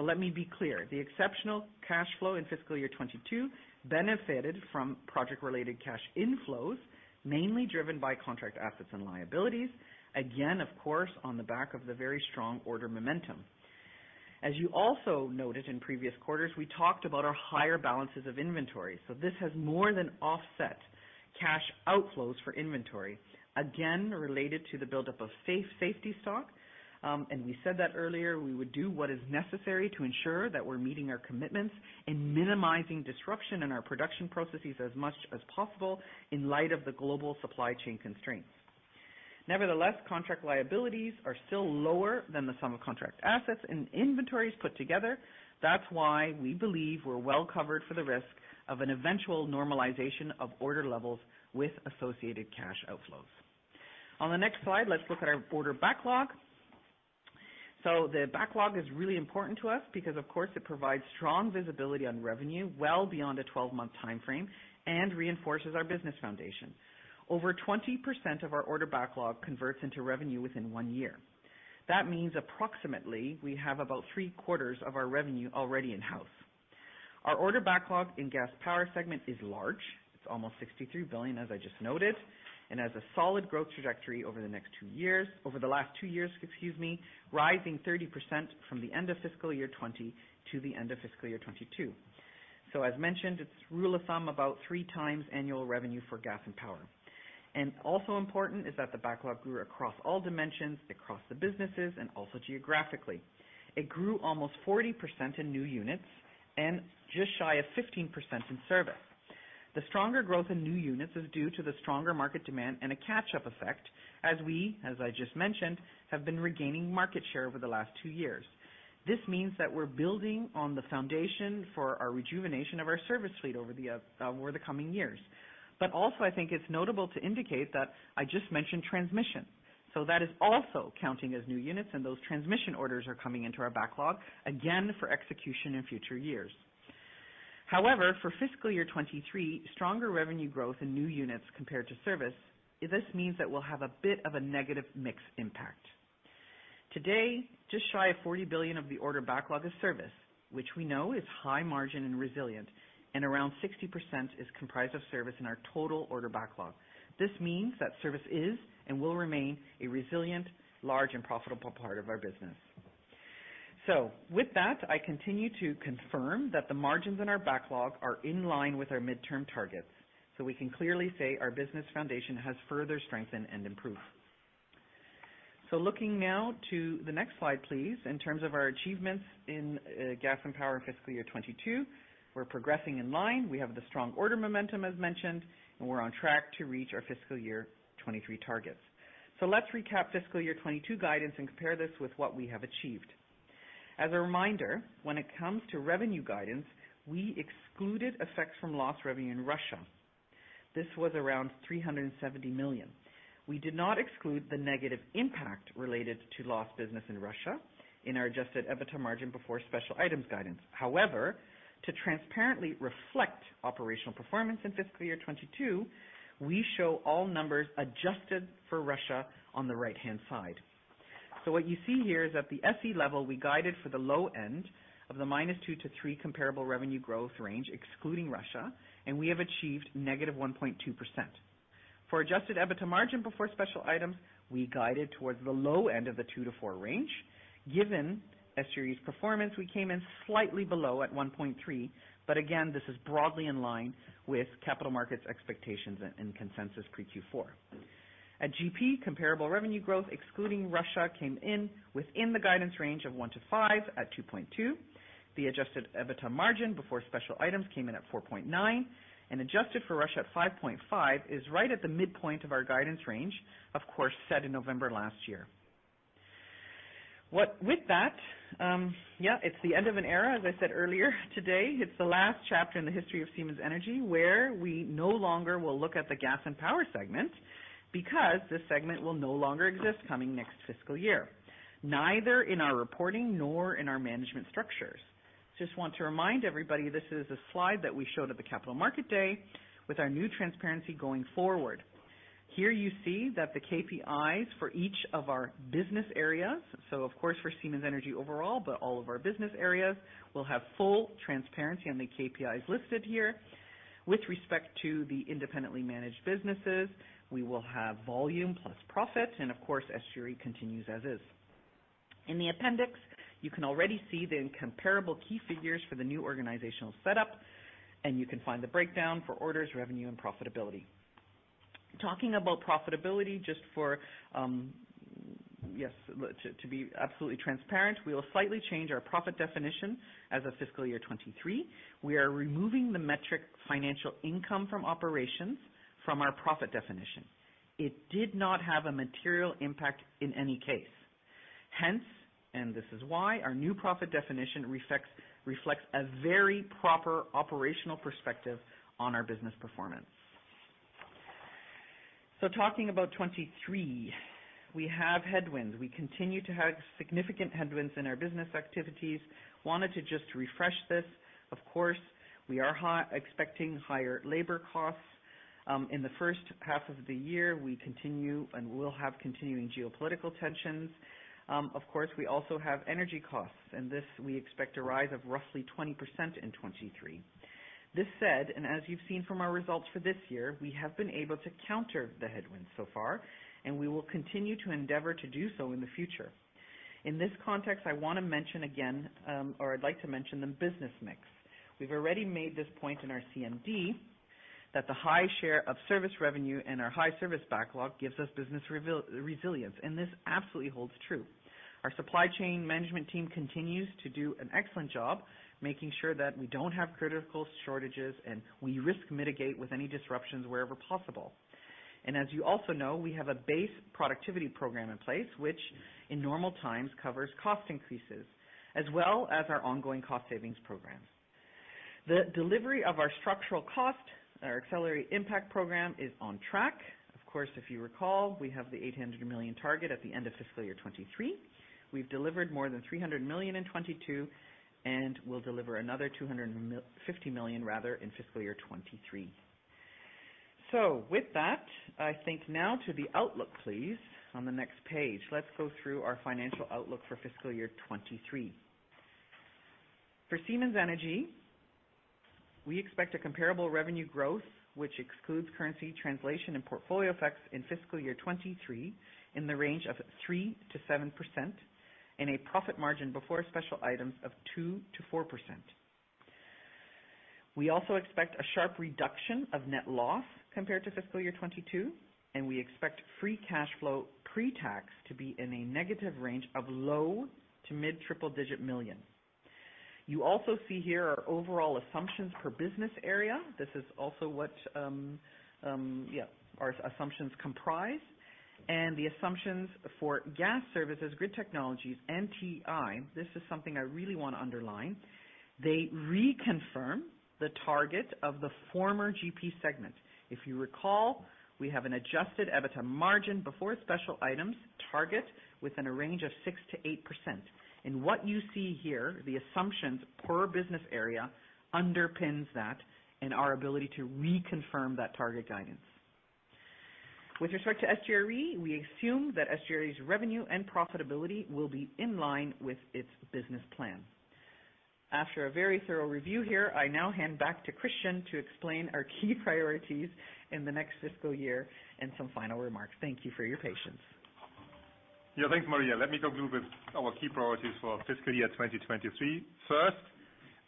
Let me be clear. The exceptional cash flow in fiscal year 2022 benefited from project-related cash inflows, mainly driven by contract assets and liabilities, again, of course, on the back of the very strong order momentum. As you also noted in previous quarters, we talked about our higher balances of inventory. This has more than offset cash outflows for inventory, again, related to the buildup of safety stock. We said that earlier, we would do what is necessary to ensure that we're meeting our commitments and minimizing disruption in our production processes as much as possible in light of the global supply chain constraints. Nevertheless, contract liabilities are still lower than the sum of contract assets and inventories put together. That's why we believe we're well covered for the risk of an eventual normalization of order levels with associated cash outflows. On the next slide, let's look at our order backlog. The backlog is really important to us because, of course, it provides strong visibility on revenue well beyond a 12-month timeframe and reinforces our business foundation. Over 20% of our order backlog converts into revenue within one year. That means approximately we have about three-quarters of our revenue already in-house. Our order backlog in Gas Power segment is large. It's 63 billion, as I just noted, and has a solid growth trajectory over the last two years, excuse me, rising 30% from the end of fiscal year 2020 to the end of fiscal year 2022. As mentioned, it's rule of thumb about 3x annual revenue for Gas and Power. Also important is that the backlog grew across all dimensions, across the businesses, and also geographically. It grew almost 40% in new units and just shy of 15% in service. The stronger growth in new units is due to the stronger market demand and a catch-up effect as we, as I just mentioned, have been regaining market share over the last two years. This means that we're building on the foundation for our rejuvenation of our service fleet over the coming years. Also, I think it's notable to indicate that I just mentioned transmission, so that is also counting as new units, and those transmission orders are coming into our backlog again for execution in future years. However, for fiscal year 2023, stronger revenue growth in new units compared to service, this means that we'll have a bit of a negative mix impact. Today, just shy of 40 billion of the order backlog of service, which we know is high margin and resilient, and around 60% is comprised of service in our total order backlog. This means that service is and will remain a resilient, large, and profitable part of our business. With that, I continue to confirm that the margins in our backlog are in line with our midterm targets. We can clearly say our business foundation has further strengthened and improved. Looking now to the next slide, please. In terms of our achievements in Gas and Power in fiscal year 2022, we're progressing in line. We have the strong order momentum as mentioned, and we're on track to reach our fiscal year 2023 targets. Let's recap fiscal year 2022 guidance and compare this with what we have achieved. As a reminder, when it comes to revenue guidance, we excluded effects from lost revenue in Russia. This was around 370 million. We did not exclude the negative impact related to lost business in Russia in our Adjusted EBITDA margin before special items guidance. However, to transparently reflect operational performance in fiscal year 2022, we show all numbers adjusted for Russia on the right-hand side. What you see here is at the SE level, we guided for the low end of the -2%-3% comparable revenue growth range excluding Russia, and we have achieved -1.2%. For Adjusted EBITDA margin before special items, we guided towards the low end of the 2%-4% range. Given SGRE's performance, we came in slightly below at 1.3%, but again, this is broadly in line with capital markets expectations and consensus pre-Q4. At GP, comparable revenue growth excluding Russia came in within the guidance range of 1%-5% at 2.2%. The Adjusted EBITDA margin before special items came in at 4.9%, and adjusted for Russia at 5.5% is right at the midpoint of our guidance range, of course, set in November last year. With that, it's the end of an era, as I said earlier today. It's the last chapter in the history of Siemens Energy where we no longer will look at the Gas and Power segment because this segment will no longer exist coming next fiscal year, neither in our reporting nor in our management structures. Just want to remind everybody, this is a slide that we showed at the Capital Market Day with our new transparency going forward. Here you see that the KPIs for each of our business areas, so of course for Siemens Energy overall, but all of our business areas will have full transparency on the KPIs listed here. With respect to the independently managed businesses, we will have volume plus profit, and of course, SGRE continues as is. In the appendix, you can already see the comparable key figures for the new organizational setup, and you can find the breakdown for orders, revenue, and profitability. Talking about profitability, to be absolutely transparent, we will slightly change our profit definition as of fiscal year 2023. We are removing the metric financial income from operations from our profit definition. It did not have a material impact in any case. Hence, and this is why, our new profit definition reflects a very proper operational perspective on our business performance. Talking about 2023, we have headwinds. We continue to have significant headwinds in our business activities. Wanted to just refresh this. Of course, we are expecting higher labor costs. In the first half of the year, we continue and will have continuing geopolitical tensions. Of course, we also have energy costs, and this we expect a rise of roughly 20% in 2023. This said, and as you've seen from our results for this year, we have been able to counter the headwinds so far, and we will continue to endeavor to do so in the future. In this context, I wanna mention again, or I'd like to mention the business mix. We've already made this point in our CMD that the high share of service revenue and our high service backlog gives us business resilience, and this absolutely holds true. Our supply chain management team continues to do an excellent job making sure that we don't have critical shortages, and we risk mitigate with any disruptions wherever possible. As you also know, we have a base productivity program in place which in normal times covers cost increases as well as our ongoing cost savings programs. The delivery of our structural cost, our Accelerate Impact Program is on track. Of course, if you recall, we have the 800 million target at the end of fiscal year 2023. We've delivered more than 300 million in 2022, and we'll deliver another 50 million rather in fiscal year 2023. With that, I think now to the outlook, please, on the next page. Let's go through our financial outlook for fiscal year 2023. For Siemens Energy, we expect a comparable revenue growth, which excludes currency translation and portfolio effects in fiscal year 2023 in the range of 3%-7% and a profit margin before special items of 2%-4%. We also expect a sharp reduction of net loss compared to fiscal year 2022, and we expect free cash flow pre-tax to be in a negative range of low- to mid-triple-digit million EUR. You also see here our overall assumptions per business area. This is also what our assumptions comprise. The assumptions for Gas Services, Grid Technologies, and TI, this is something I really want to underline. They reconfirm the target of the former GP segment. If you recall, we have an Adjusted EBITDA margin before special items target within a range of 6%-8%. What you see here, the assumptions per business area underpins that and our ability to reconfirm that target guidance. With respect to SGRE, we assume that SGRE's revenue and profitability will be in line with its business plan. After a very thorough review here, I now hand back to Christian to explain our key priorities in the next fiscal year and some final remarks. Thank you for your patience. Yeah. Thanks, Maria. Let me go through with our key priorities for fiscal year 2023. First,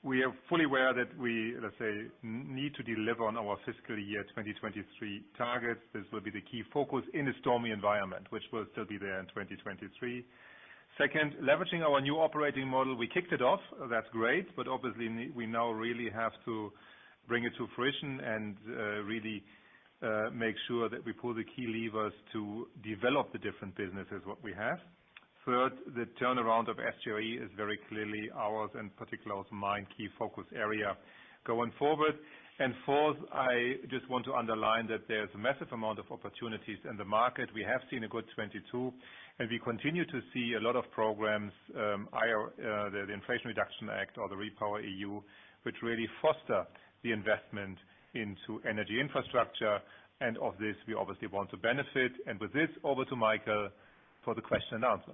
we are fully aware that we, let's say, need to deliver on our fiscal year 2023 targets. This will be the key focus in a stormy environment, which will still be there in 2023. Second, leveraging our new operating model, we kicked it off. That's great, but obviously we now really have to bring it to fruition and really make sure that we pull the key levers to develop the different businesses what we have. Third, the turnaround of SGRE is very clearly ours and particularly mine key focus area going forward. Fourth, I just want to underline that there's a massive amount of opportunities in the market. We have seen a good 2022, and we continue to see a lot of programs, the Inflation Reduction Act or the REPowerEU, which really foster the investment into energy infrastructure. Of this, we obviously want to benefit. With this, over to Michael for the question and answer.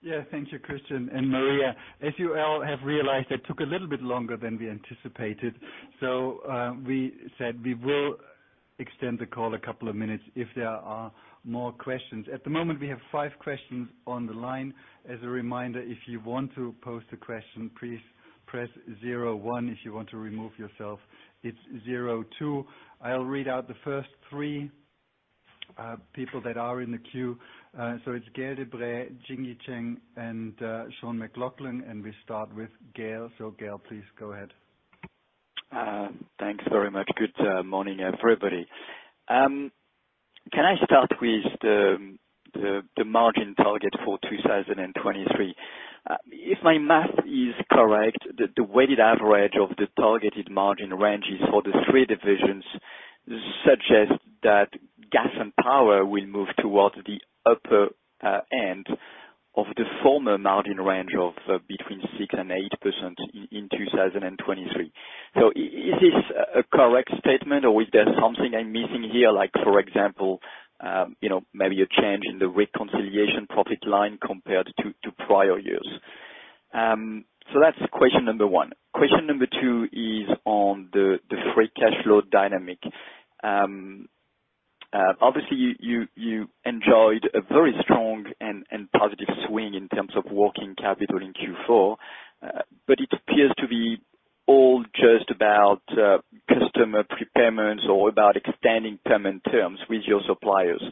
Yeah. Thank you, Christian and Maria. As you all have realized, it took a little bit longer than we anticipated. We said we will extend the call a couple of minutes if there are more questions. At the moment, we have five questions on the line. As a reminder, if you want to pose the question, please press zero one. If you want to remove yourself, it's zero two. I'll read out the first three people that are in the queue. It's Gaël de-Bray, Jingyi Zheng, and Sean McLoughlin. We start with Gaël. Gaël, please go ahead. Thanks very much. Good morning, everybody. Can I start with the margin target for 2023? If my math is correct, the weighted average of the targeted margin ranges for the three divisions suggest that Gas and Power will move towards the upper end of the former margin range of between 6% and 8% in 2023. Is this a correct statement or is there something I'm missing here, like, for example, you know, maybe a change in the reconciliation profit line compared to prior years? That's question number one. Question number two is on the free cash flow dynamic. Obviously, you enjoyed a very strong and positive swing in terms of working capital in Q4, but it appears to be all just about customer prepayments or about extending payment terms with your suppliers.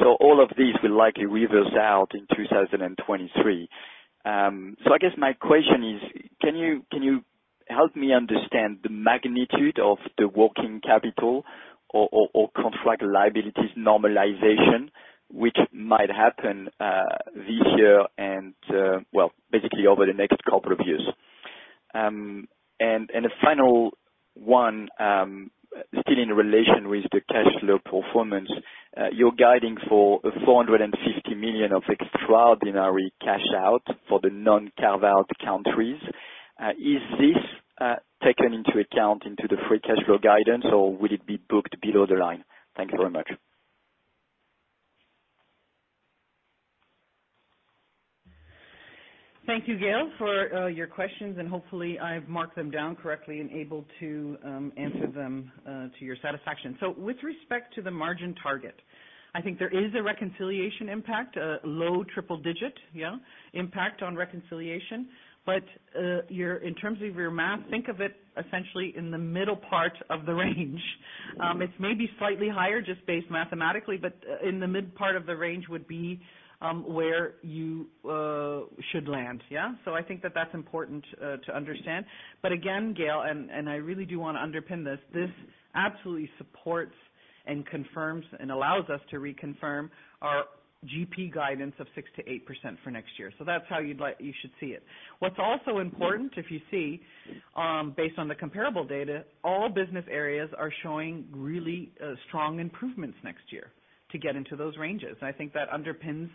All of these will likely reverse out in 2023. I guess my question is, can you help me understand the magnitude of the working capital or contract liabilities normalization, which might happen this year and well, basically over the next couple of years. And a final one, still in relation with the cash flow performance, you're guiding for 450 million of extraordinary cash out for the non-carved-out countries. Is this taken into account into the free cash flow guidance, or will it be booked below the line? Thank you very much. Thank you, Gaël, for your questions, and hopefully, I've marked them down correctly and able to answer them to your satisfaction. With respect to the margin target, I think there is a reconciliation impact, a low triple-digit impact on reconciliation. In terms of your math, think of it essentially in the middle part of the range. It's maybe slightly higher just based mathematically, in the mid part of the range would be where you should land. I think that that's important to understand. Again, Gaël, and I really do wanna underpin this absolutely supports and confirms and allows us to reconfirm our GP guidance of 6%-8% for next year. That's how you should see it. What's also important, if you see, based on the comparable data, all business areas are showing really strong improvements next year to get into those ranges. I think that underpins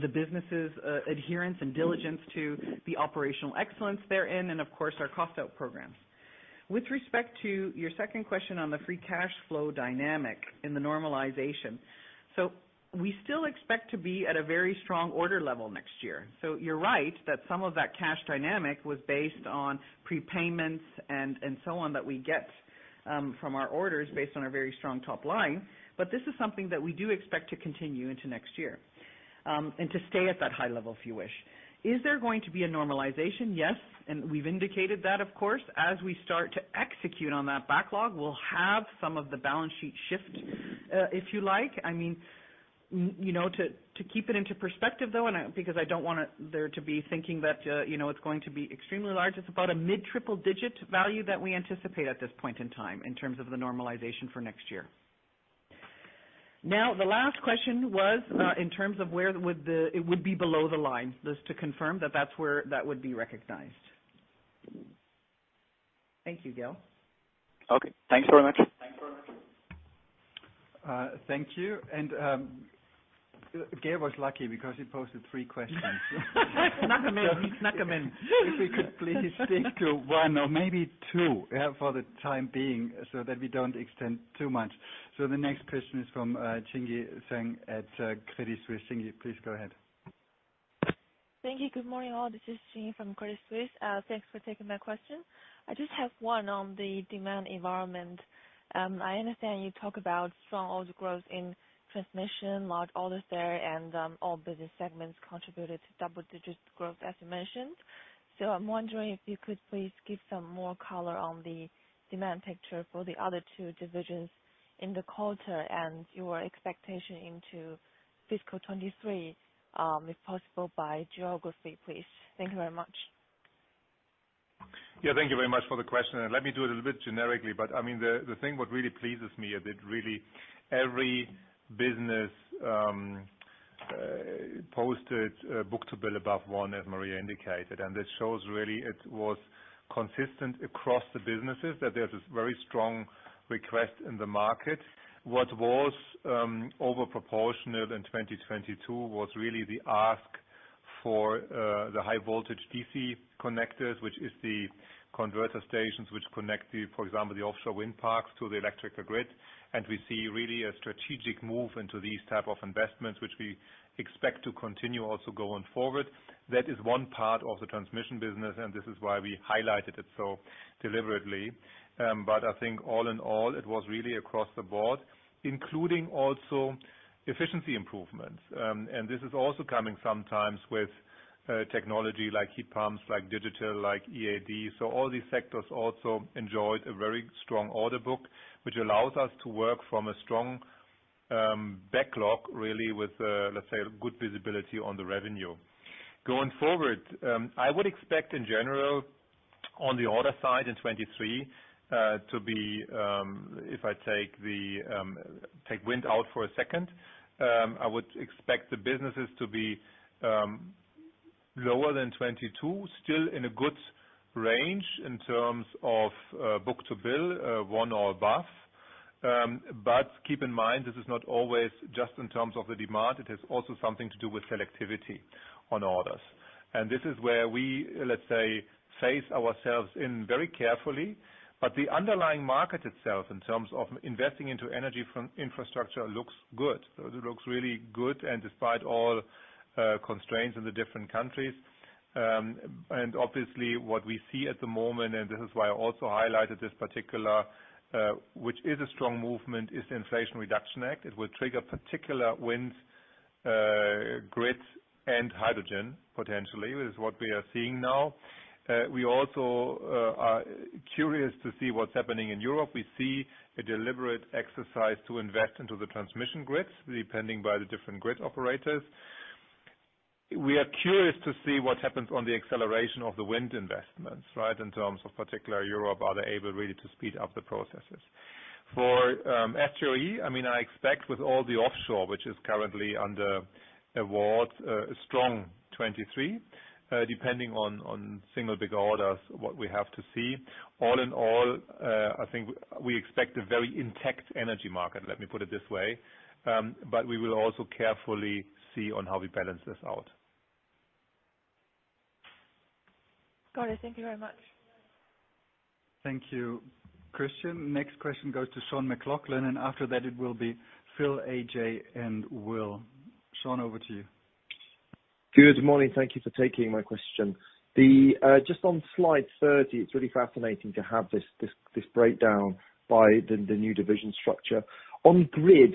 the business's adherence and diligence to the operational excellence they're in and of course our cost out programs. With respect to your second question on the free cash flow dynamic in the normalization. We still expect to be at a very strong order level next year. You're right that some of that cash dynamic was based on prepayments and so on that we get from our orders based on our very strong top line. But this is something that we do expect to continue into next year and to stay at that high level, if you wish. Is there going to be a normalization? Yes. We've indicated that of course, as we start to execute on that backlog, we'll have some of the balance sheet shift, if you like. I mean, you know, to keep it into perspective though, because I don't want there to be thinking that, you know, it's going to be extremely large. It's about a mid triple digit value that we anticipate at this point in time in terms of the normalization for next year. Now, the last question was, in terms of where that would be. It would be below the line. Just to confirm that that's where that would be recognized. Thank you, Gaël. Okay, thanks very much. Thank you. Gaël was lucky because he posted three questions. Snuck 'em in. He snuck 'em in. If you could please stick to one or maybe two, yeah, for the time being so that we don't extend too much. The next question is from Jingyi Zheng at Credit Suisse. Jingyi, please go ahead. Thank you. Good morning, all. This is Jingyi Zheng from Credit Suisse. Thanks for taking my question. I just have one on the demand environment. I understand you talk about strong order growth in transmission, large orders there, and all business segments contributed to double-digit growth, as you mentioned. I'm wondering if you could please give some more color on the demand picture for the other two divisions in the quarter and your expectation into fiscal 2023, if possible, by geography, please. Thank you very much. Yeah, thank you very much for the question, and let me do it a little bit generically. I mean, the thing what really pleases me is that really every business posted book-to-bill above one, as Maria indicated. It shows really it was consistent across the businesses that there's this very strong request in the market. What was over proportionate in 2022 was really the ask for the high voltage DC connectors, which is the converter stations which connect, for example, the offshore wind parks to the electrical grid. We see really a strategic move into these type of investments, which we expect to continue also going forward. That is one part of the transmission business, and this is why we highlighted it so deliberately. I think all in all, it was really across the board, including also efficiency improvements. This is also coming sometimes with technology like heat pumps, like digital, like EAD. So all these sectors also enjoyed a very strong order book, which allows us to work from a strong backlog really with let's say, a good visibility on the revenue. Going forward, I would expect in general, on the order side in 2023, to be, if I take wind out for a second, I would expect the businesses to be lower than 2022, still in a good range in terms of book-to-bill, 1 or above. Keep in mind, this is not always just in terms of the demand. It is also something to do with selectivity on orders. This is where we, let's say, phase ourselves in very carefully. The underlying market itself in terms of investing into energy from infrastructure looks good. It looks really good and despite all constraints in the different countries. Obviously what we see at the moment, and this is why I also highlighted this particular, which is a strong movement, is the Inflation Reduction Act. It will trigger particular wind, grids and hydrogen potentially, is what we are seeing now. We also are curious to see what's happening in Europe. We see a deliberate exercise to invest into the transmission grids, depending on the different grid operators. We are curious to see what happens on the acceleration of the wind investments, right, in terms of particular Europe, are they able really to speed up the processes. For GT, I mean, I expect with all the offshore, which is currently under awards, a strong 2023, depending on single big orders, what we have to see. All in all, I think we expect a very intact energy market, let me put it this way. We will also carefully see on how we balance this out. Got it. Thank you very much. Thank you, Christian. Next question goes to Sean McLoughlin, and after that it will be Phil, AJ, and Will. Sean, over to you. Good morning. Thank you for taking my question. The just on slide 30, it's really fascinating to have this breakdown by the new division structure. On Grid,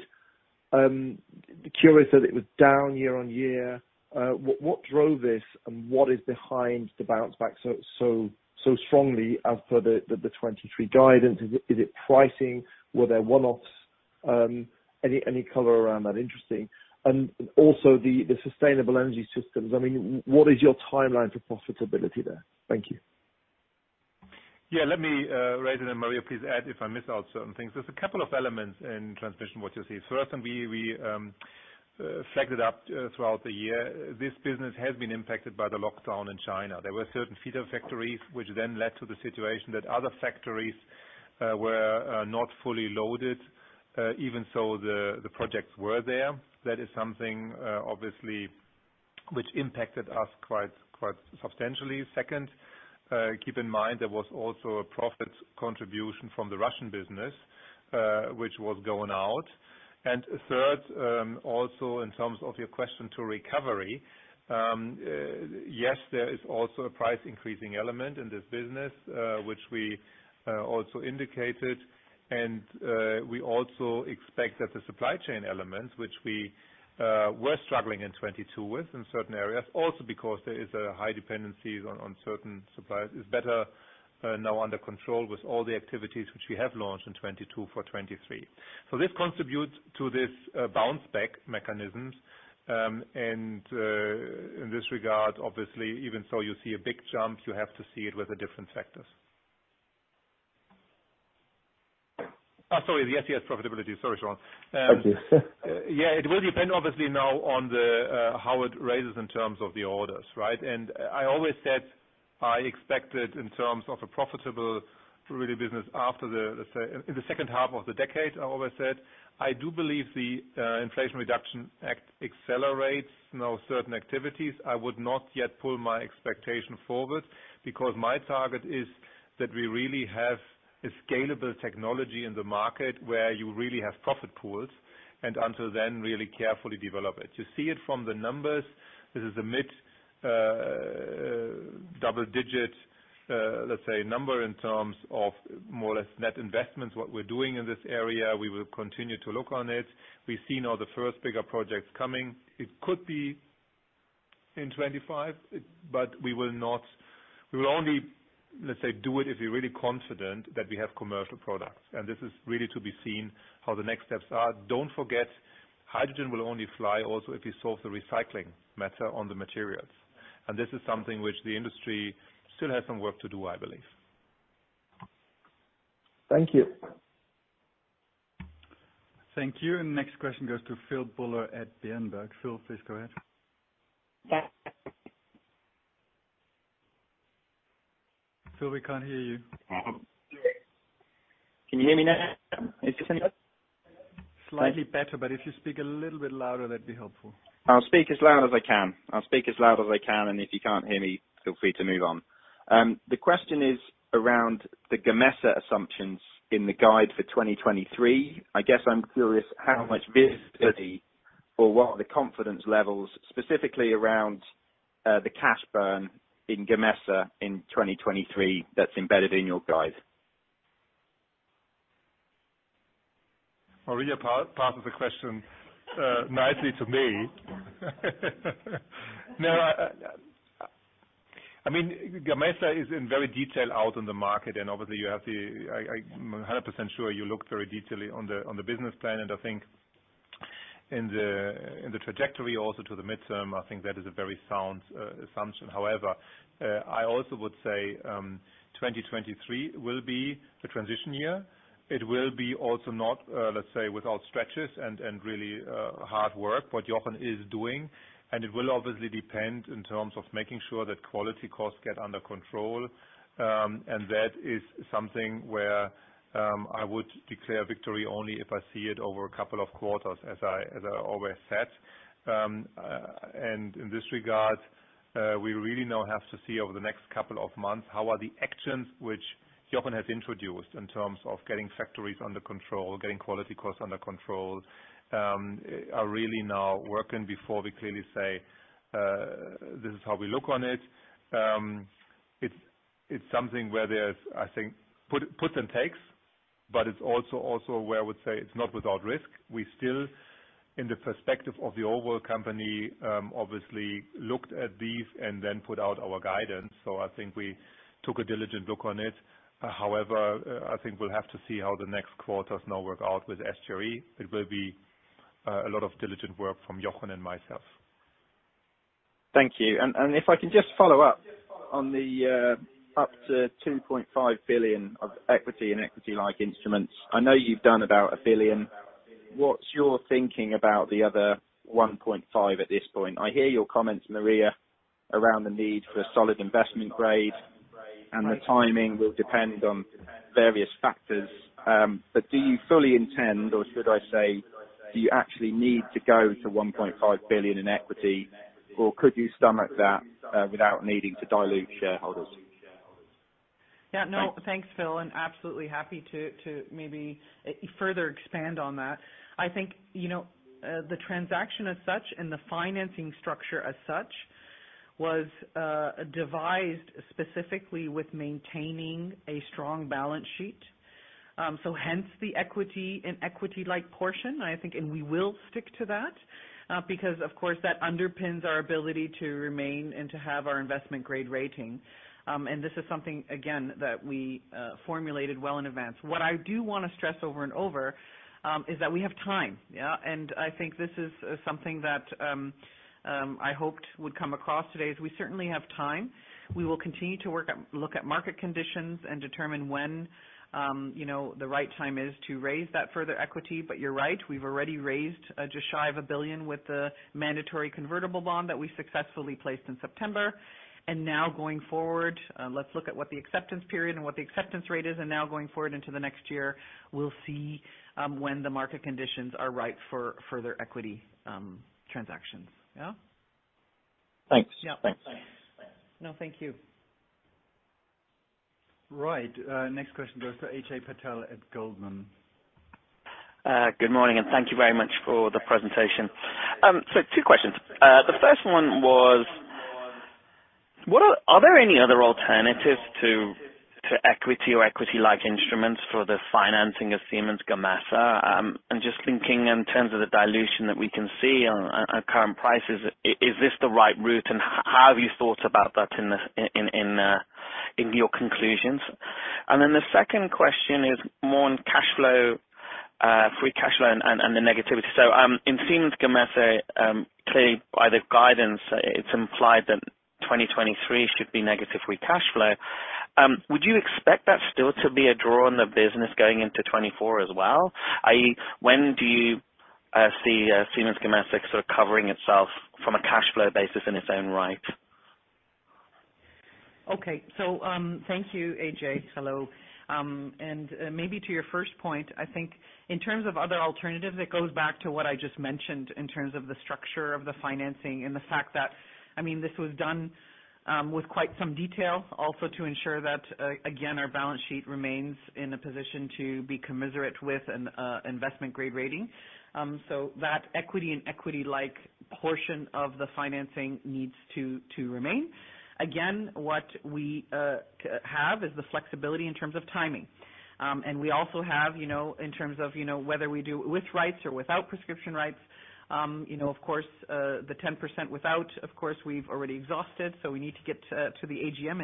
curious that it was down year-over-year. What drove this, and what is behind the bounce back so strongly as per the 2023 guidance? Is it pricing? Were there one-offs? Any color around that? Interesting. Also the Sustainable Energy Systems. I mean, what is your timeline for profitability there? Thank you. Yeah, let me raise it, and Maria please add if I miss out certain things. There's a couple of elements in transmission what you see. First, we flagged it up throughout the year. This business has been impacted by the lockdown in China. There were certain feeder factories which then led to the situation that other factories were not fully loaded, even so the projects were there. That is something obviously which impacted us quite substantially. Second, keep in mind there was also a profit contribution from the Russian business which was going out. Third, also in terms of your question to recovery, yes, there is also a price increasing element in this business which we also indicated. We also expect that the supply chain elements which we were struggling in 2022 with in certain areas, also because there is a high dependencies on certain suppliers, is better now under control with all the activities which we have launched in 2022 for 2023. This contributes to this bounce back mechanisms. In this regard obviously even so you see a big jump, you have to see it with the different factors. Oh, sorry. The SES profitability. Sorry, Sean. Thank you. Yeah. It will depend obviously now on the how it raises in terms of the orders, right? I always said I expected in terms of a profitable really business after the, let's say, in the second half of the decade, I always said. I do believe the Inflation Reduction Act accelerates now certain activities. I would not yet pull my expectation forward because my target is that we really have a scalable technology in the market where you really have profit pools, and until then really carefully develop it. You see it from the numbers. This is a mid double digit, let's say number in terms of more or less net investments, what we're doing in this area. We will continue to look on it. We see now the first bigger projects coming. It could be in 2025, but we will not. We will only, let's say do it if you're really confident that we have commercial products. This is really to be seen how the next steps are. Don't forget, hydrogen will only fly also if you solve the recycling matter on the materials. This is something which the industry still has some work to do, I believe. Thank you. Thank you. Next question goes to Phil Buller at Berenberg. Phil, please go ahead. Phil, we can't hear you. Can you hear me now? Is this any better? Slightly better, but if you speak a little bit louder, that'd be helpful. I'll speak as loud as I can. I'll speak as loud as I can, and if you can't hear me feel free to move on. The question is around the Gamesa assumptions in the guide for 2023. I guess I'm curious how much visibility or what are the confidence levels specifically around the cash burn in Gamesa in 2023 that's embedded in your guide. Maria passes the question nicely to me. No, I mean, Gamesa is in very detail out in the market, and obviously you have a hundred percent sure you looked very detailed on the business plan. I think in the trajectory also to the midterm, I think that is a very sound assumption. However, I also would say, 2023 will be the transition year. It will be also not, let's say without stretches and really hard work, what Jochen is doing. It will obviously depend in terms of making sure that quality costs get under control, and that is something where I would declare victory only if I see it over a couple of quarters, as I always said. In this regard, we really now have to see over the next couple of months, how the actions which Jochen has introduced in terms of getting factories under control, getting quality costs under control, are really now working before we clearly say, this is how we look on it. It's something where there's I think puts and takes, but it's also where I would say it's not without risk. We still, in the perspective of the overall company, obviously looked at these and then put out our guidance. I think we took a diligent look on it. However, I think we'll have to see how the next quarters now work out with SGRE. It will be a lot of diligent work from Jochen and myself. Thank you. If I can just follow up on the up to 2.5 billion of equity and equity-like instruments. I know you've done about 1 billion. What's your thinking about the other 1.5 at this point? I hear your comments, Maria, around the need for solid investment grade, and the timing will depend on various factors. But do you fully intend, or should I say, do you actually need to go to 1.5 billion in equity, or could you stomach that without needing to dilute shareholders? Yeah. No, thanks, Phil, and absolutely happy to maybe further expand on that. I think, you know, the transaction as such and the financing structure as such was devised specifically with maintaining a strong balance sheet. Hence the equity and equity-like portion, I think, and we will stick to that, because of course, that underpins our ability to remain and to have our investment grade rating. This is something again that we formulated well in advance. What I do wanna stress over and over is that we have time, yeah. I think this is something that I hoped would come across today, is we certainly have time. We will continue to look at market conditions and determine when you know the right time is to raise that further equity. You're right, we've already raised just shy of 1 billion with the mandatory convertible bond that we successfully placed in September. Now going forward, let's look at what the acceptance period and what the acceptance rate is. Now going forward into the next year, we'll see when the market conditions are right for further equity transactions. Yeah? Thanks. Yeah.No, thank you. Right. Next question goes to Ajay Patel at Goldman. Good morning, and thank you very much for the presentation. Two questions. The first one was, are there any other alternatives to equity or equity-like instruments for the financing of Siemens Gamesa? I'm just thinking in terms of the dilution that we can see on current prices, is this the right route, and how have you thought about that in your conclusions? The second question is more on cash flow, free cash flow and the negativity. In Siemens Gamesa, clearly by the guidance, it's implied that 2023 should be negative free cash flow. Would you expect that still to be a draw on the business going into 2024 as well? i.e. When do you see Siemens Gamesa sort of covering itself from a cash flow basis in its own right? Okay. Thank you, AJ. Hello. Maybe to your first point, I think in terms of other alternatives, it goes back to what I just mentioned in terms of the structure of the financing and the fact that, I mean, this was done with quite some detail also to ensure that, again, our balance sheet remains in a position to be commensurate with an investment grade rating. That equity and equity-like portion of the financing needs to remain. Again, what we have is the flexibility in terms of timing. We also have, you know, in terms of, you know, whether we do with rights or without prescription rights, you know, of course, the 10% without, of course, we've already exhausted, so we need to get to the AGM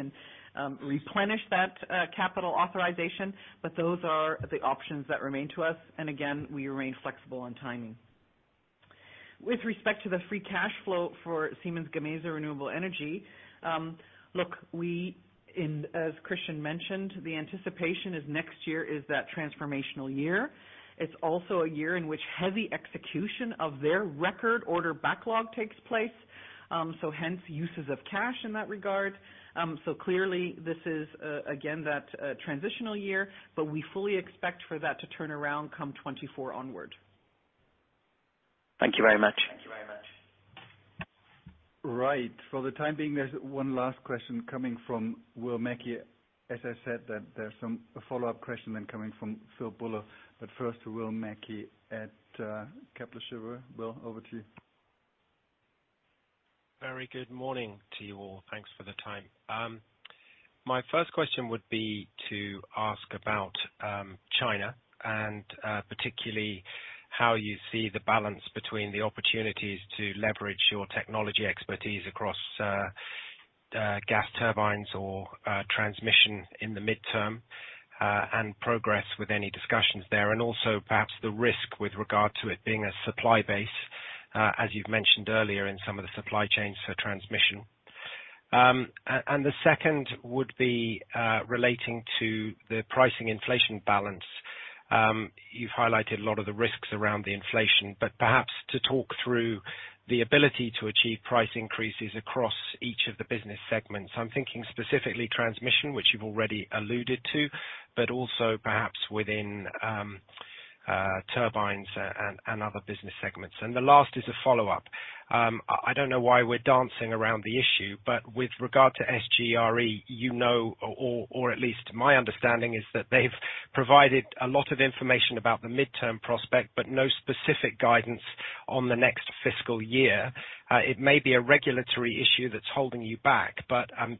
and replenish that capital authorization. Those are the options that remain to us. We remain flexible on timing. With respect to the free cash flow for Siemens Gamesa Renewable Energy, look, we, and as Christian mentioned, the anticipation is next year is that transformational year. It's also a year in which heavy execution of their record order backlog takes place, so hence uses of cash in that regard. So clearly this is again that transitional year, but we fully expect for that to turn around come 2024 onward. Thank you very much. Right. For the time being, there's one last question coming from Will Mackie. As I said that there's some follow-up question then coming from Phil Buller, but first to Will Mackie at Kepler Cheuvreux. Will, over to you. Very good morning to you all. Thanks for the time. My first question would be to ask about China and particularly how you see the balance between the opportunities to leverage your technology expertise across gas turbines or transmission in the midterm and progress with any discussions there, and also perhaps the risk with regard to it being a supply base as you've mentioned earlier in some of the supply chains for transmission. The second would be relating to the pricing inflation balance. You've highlighted a lot of the risks around the inflation, but perhaps to talk through the ability to achieve price increases across each of the business segments. I'm thinking specifically transmission, which you've already alluded to, but also perhaps within turbines and other business segments. The last is a follow-up. I don't know why we're dancing around the issue, but with regard to SGRE, you know, or at least my understanding is that they've provided a lot of information about the midterm prospect, but no specific guidance on the next fiscal year. It may be a regulatory issue that's holding you back.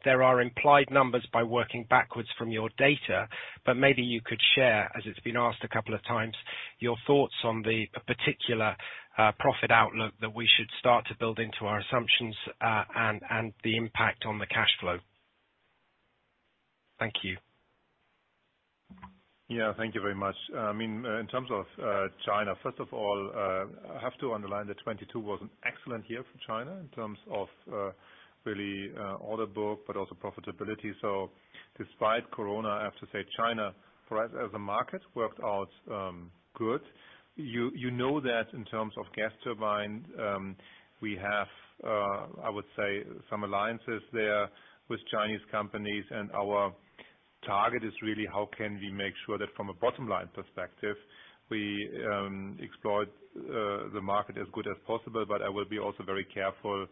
There are implied numbers by working backwards from your data, but maybe you could share, as it's been asked a couple of times, your thoughts on the particular profit outlook that we should start to build into our assumptions, and the impact on the cash flow. Thank you. Yeah. Thank you very much. I mean, in terms of China, first of all, I have to underline that 2022 was an excellent year for China in terms of really order book, but also profitability. Despite COVID, I have to say China, for us as a market, worked out good. You know that in terms of gas turbine, we have, I would say, some alliances there with Chinese companies, and our target is really how can we make sure that from a bottom line perspective, we explore the market as good as possible. I will be also very careful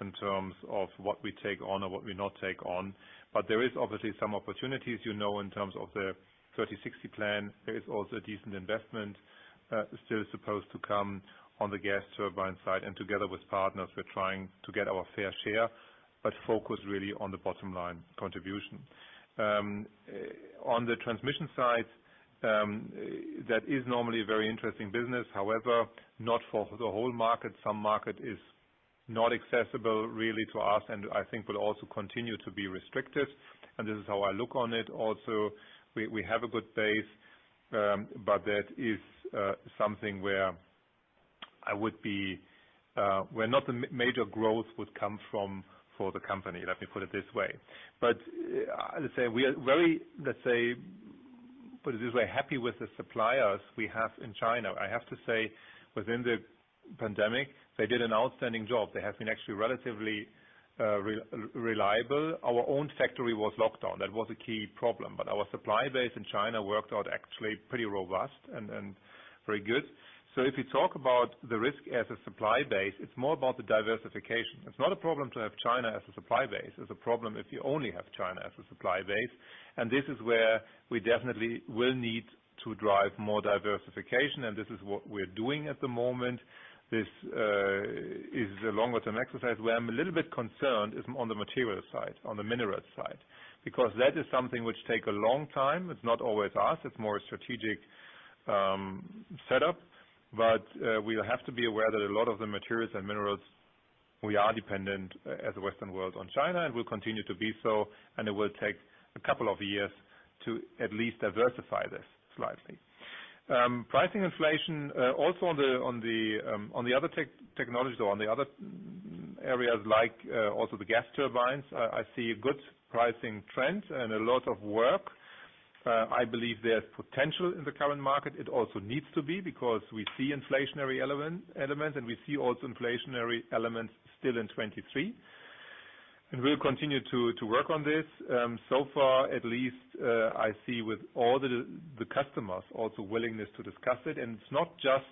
in terms of what we take on or what we not take on. There is obviously some opportunities, you know, in terms of the 30/60 plan. There is also a decent investment still supposed to come on the gas turbine side. Together with partners, we're trying to get our fair share. Focus really on the bottom line contribution. On the transmission side, that is normally a very interesting business. However, not for the whole market. Some market is not accessible really to us, and I think will also continue to be restricted, and this is how I look on it. Also, we have a good base, but that is something where I would be where not a major growth would come from for the company, let me put it this way. As I say, we are very, let's say, put it this way, happy with the suppliers we have in China. I have to say during the pandemic, they did an outstanding job. They have been actually relatively reliable. Our own factory was locked down. That was a key problem. Our supply base in China worked out actually pretty robust and very good. If you talk about the risk as a supply base, it's more about the diversification. It's not a problem to have China as a supply base, it's a problem if you only have China as a supply base. This is where we definitely will need to drive more diversification, and this is what we're doing at the moment. This is a longer-term exercise. Where I'm a little bit concerned is on the material side, on the minerals side, because that is something which take a long time. It's not always us, it's more a strategic setup. We'll have to be aware that a lot of the materials and minerals we are dependent, as the Western world, on China and will continue to be so, and it will take a couple of years to at least diversify this slightly. Pricing inflation also on the other technology, though, on the other areas like also the gas turbines. I see good pricing trends and a lot of work. I believe there's potential in the current market. It also needs to be, because we see inflationary elements, and we see also inflationary elements still in 2023. We'll continue to work on this. So far at least, I see with all the customers also willingness to discuss it. It's not just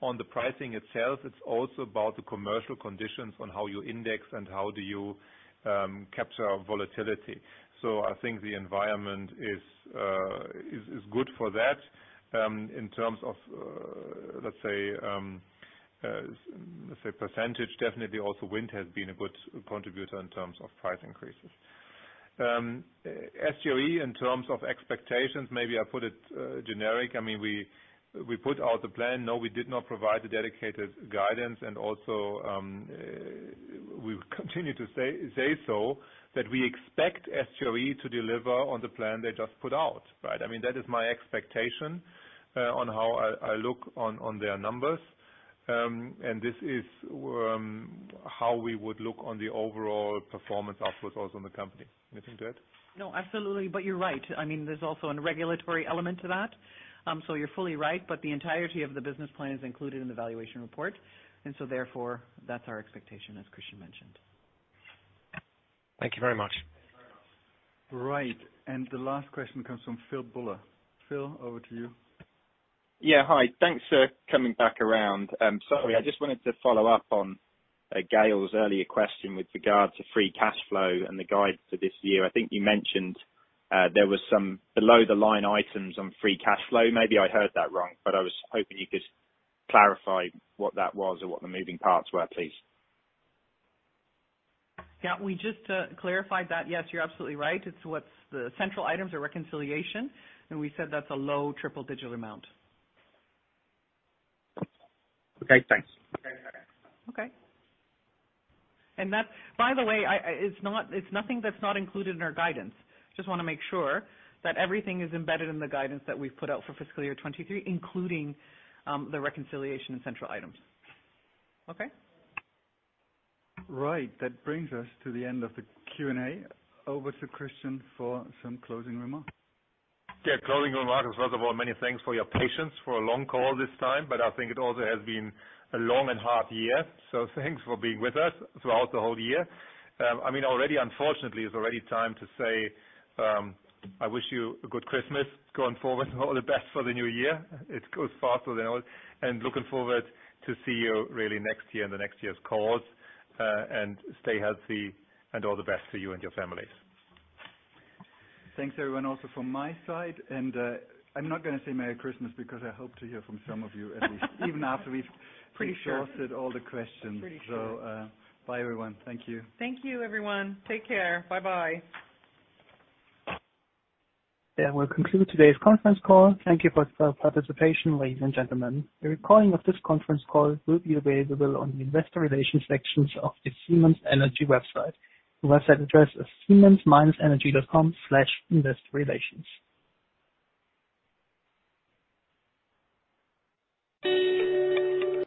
on the pricing itself, it's also about the commercial conditions on how you index and how do you capture our volatility. I think the environment is good for that. In terms of let's say percentage, definitely also wind has been a good contributor in terms of price increases. SGRE in terms of expectations, maybe I put it generic. I mean, we put out the plan. No, we did not provide the dedicated guidance and also we continue to say so that we expect SGRE to deliver on the plan they just put out, right? I mean, that is my expectation on how I look on their numbers. This is how we would look on the overall performance output also in the company. Anything to add? No, absolutely. You're right. I mean, there's also a regulatory element to that. You're fully right, but the entirety of the business plan is included in the valuation report, and so therefore, that's our expectation, as Christian mentioned. Thank you very much. Right. The last question comes from Phil Buller. Phil, over to you. Yeah. Hi. Thanks for coming back around. Sorry, I just wanted to follow up on, Gaël's earlier question with regards to free cash flow and the guide for this year. I think you mentioned, there was some below the line items on free cash flow. Maybe I heard that wrong, but I was hoping you could clarify what that was or what the moving parts were, please. Yeah. We just clarified that. Yes, you're absolutely right. It's what's the central items, the reconciliation, and we said that's a low triple-digit amount. Okay, thanks. Okay. That's, by the way, it's nothing that's not included in our guidance. Just wanna make sure that everything is embedded in the guidance that we've put out for fiscal year 2023, including the reconciliation and central items. Okay? Right. That brings us to the end of the Q&A. Over to Christian for some closing remarks. Yeah. Closing remarks. First of all, many thanks for your patience for a long call this time, but I think it also has been a long and hard year, so thanks for being with us throughout the whole year. I mean, already, unfortunately, it's already time to say, I wish you a good Christmas going forward and all the best for the new year. It goes faster than old. Looking forward to see you really next year in the next year's calls. Stay healthy and all the best to you and your families. Thanks everyone also from my side. I'm not gonna say Merry Christmas because I hope to hear from some of you at least. Pretty sure. Exhausted all the questions. Pretty sure. Bye, everyone. Thank you. Thank you, everyone. Take care. Bye-bye. That will conclude today's conference call. Thank you for participation, ladies and gentlemen. A recording of this conference call will be available on the investor relations sections of the Siemens Energy website. The website address is siemens-energy.com/investorrelations.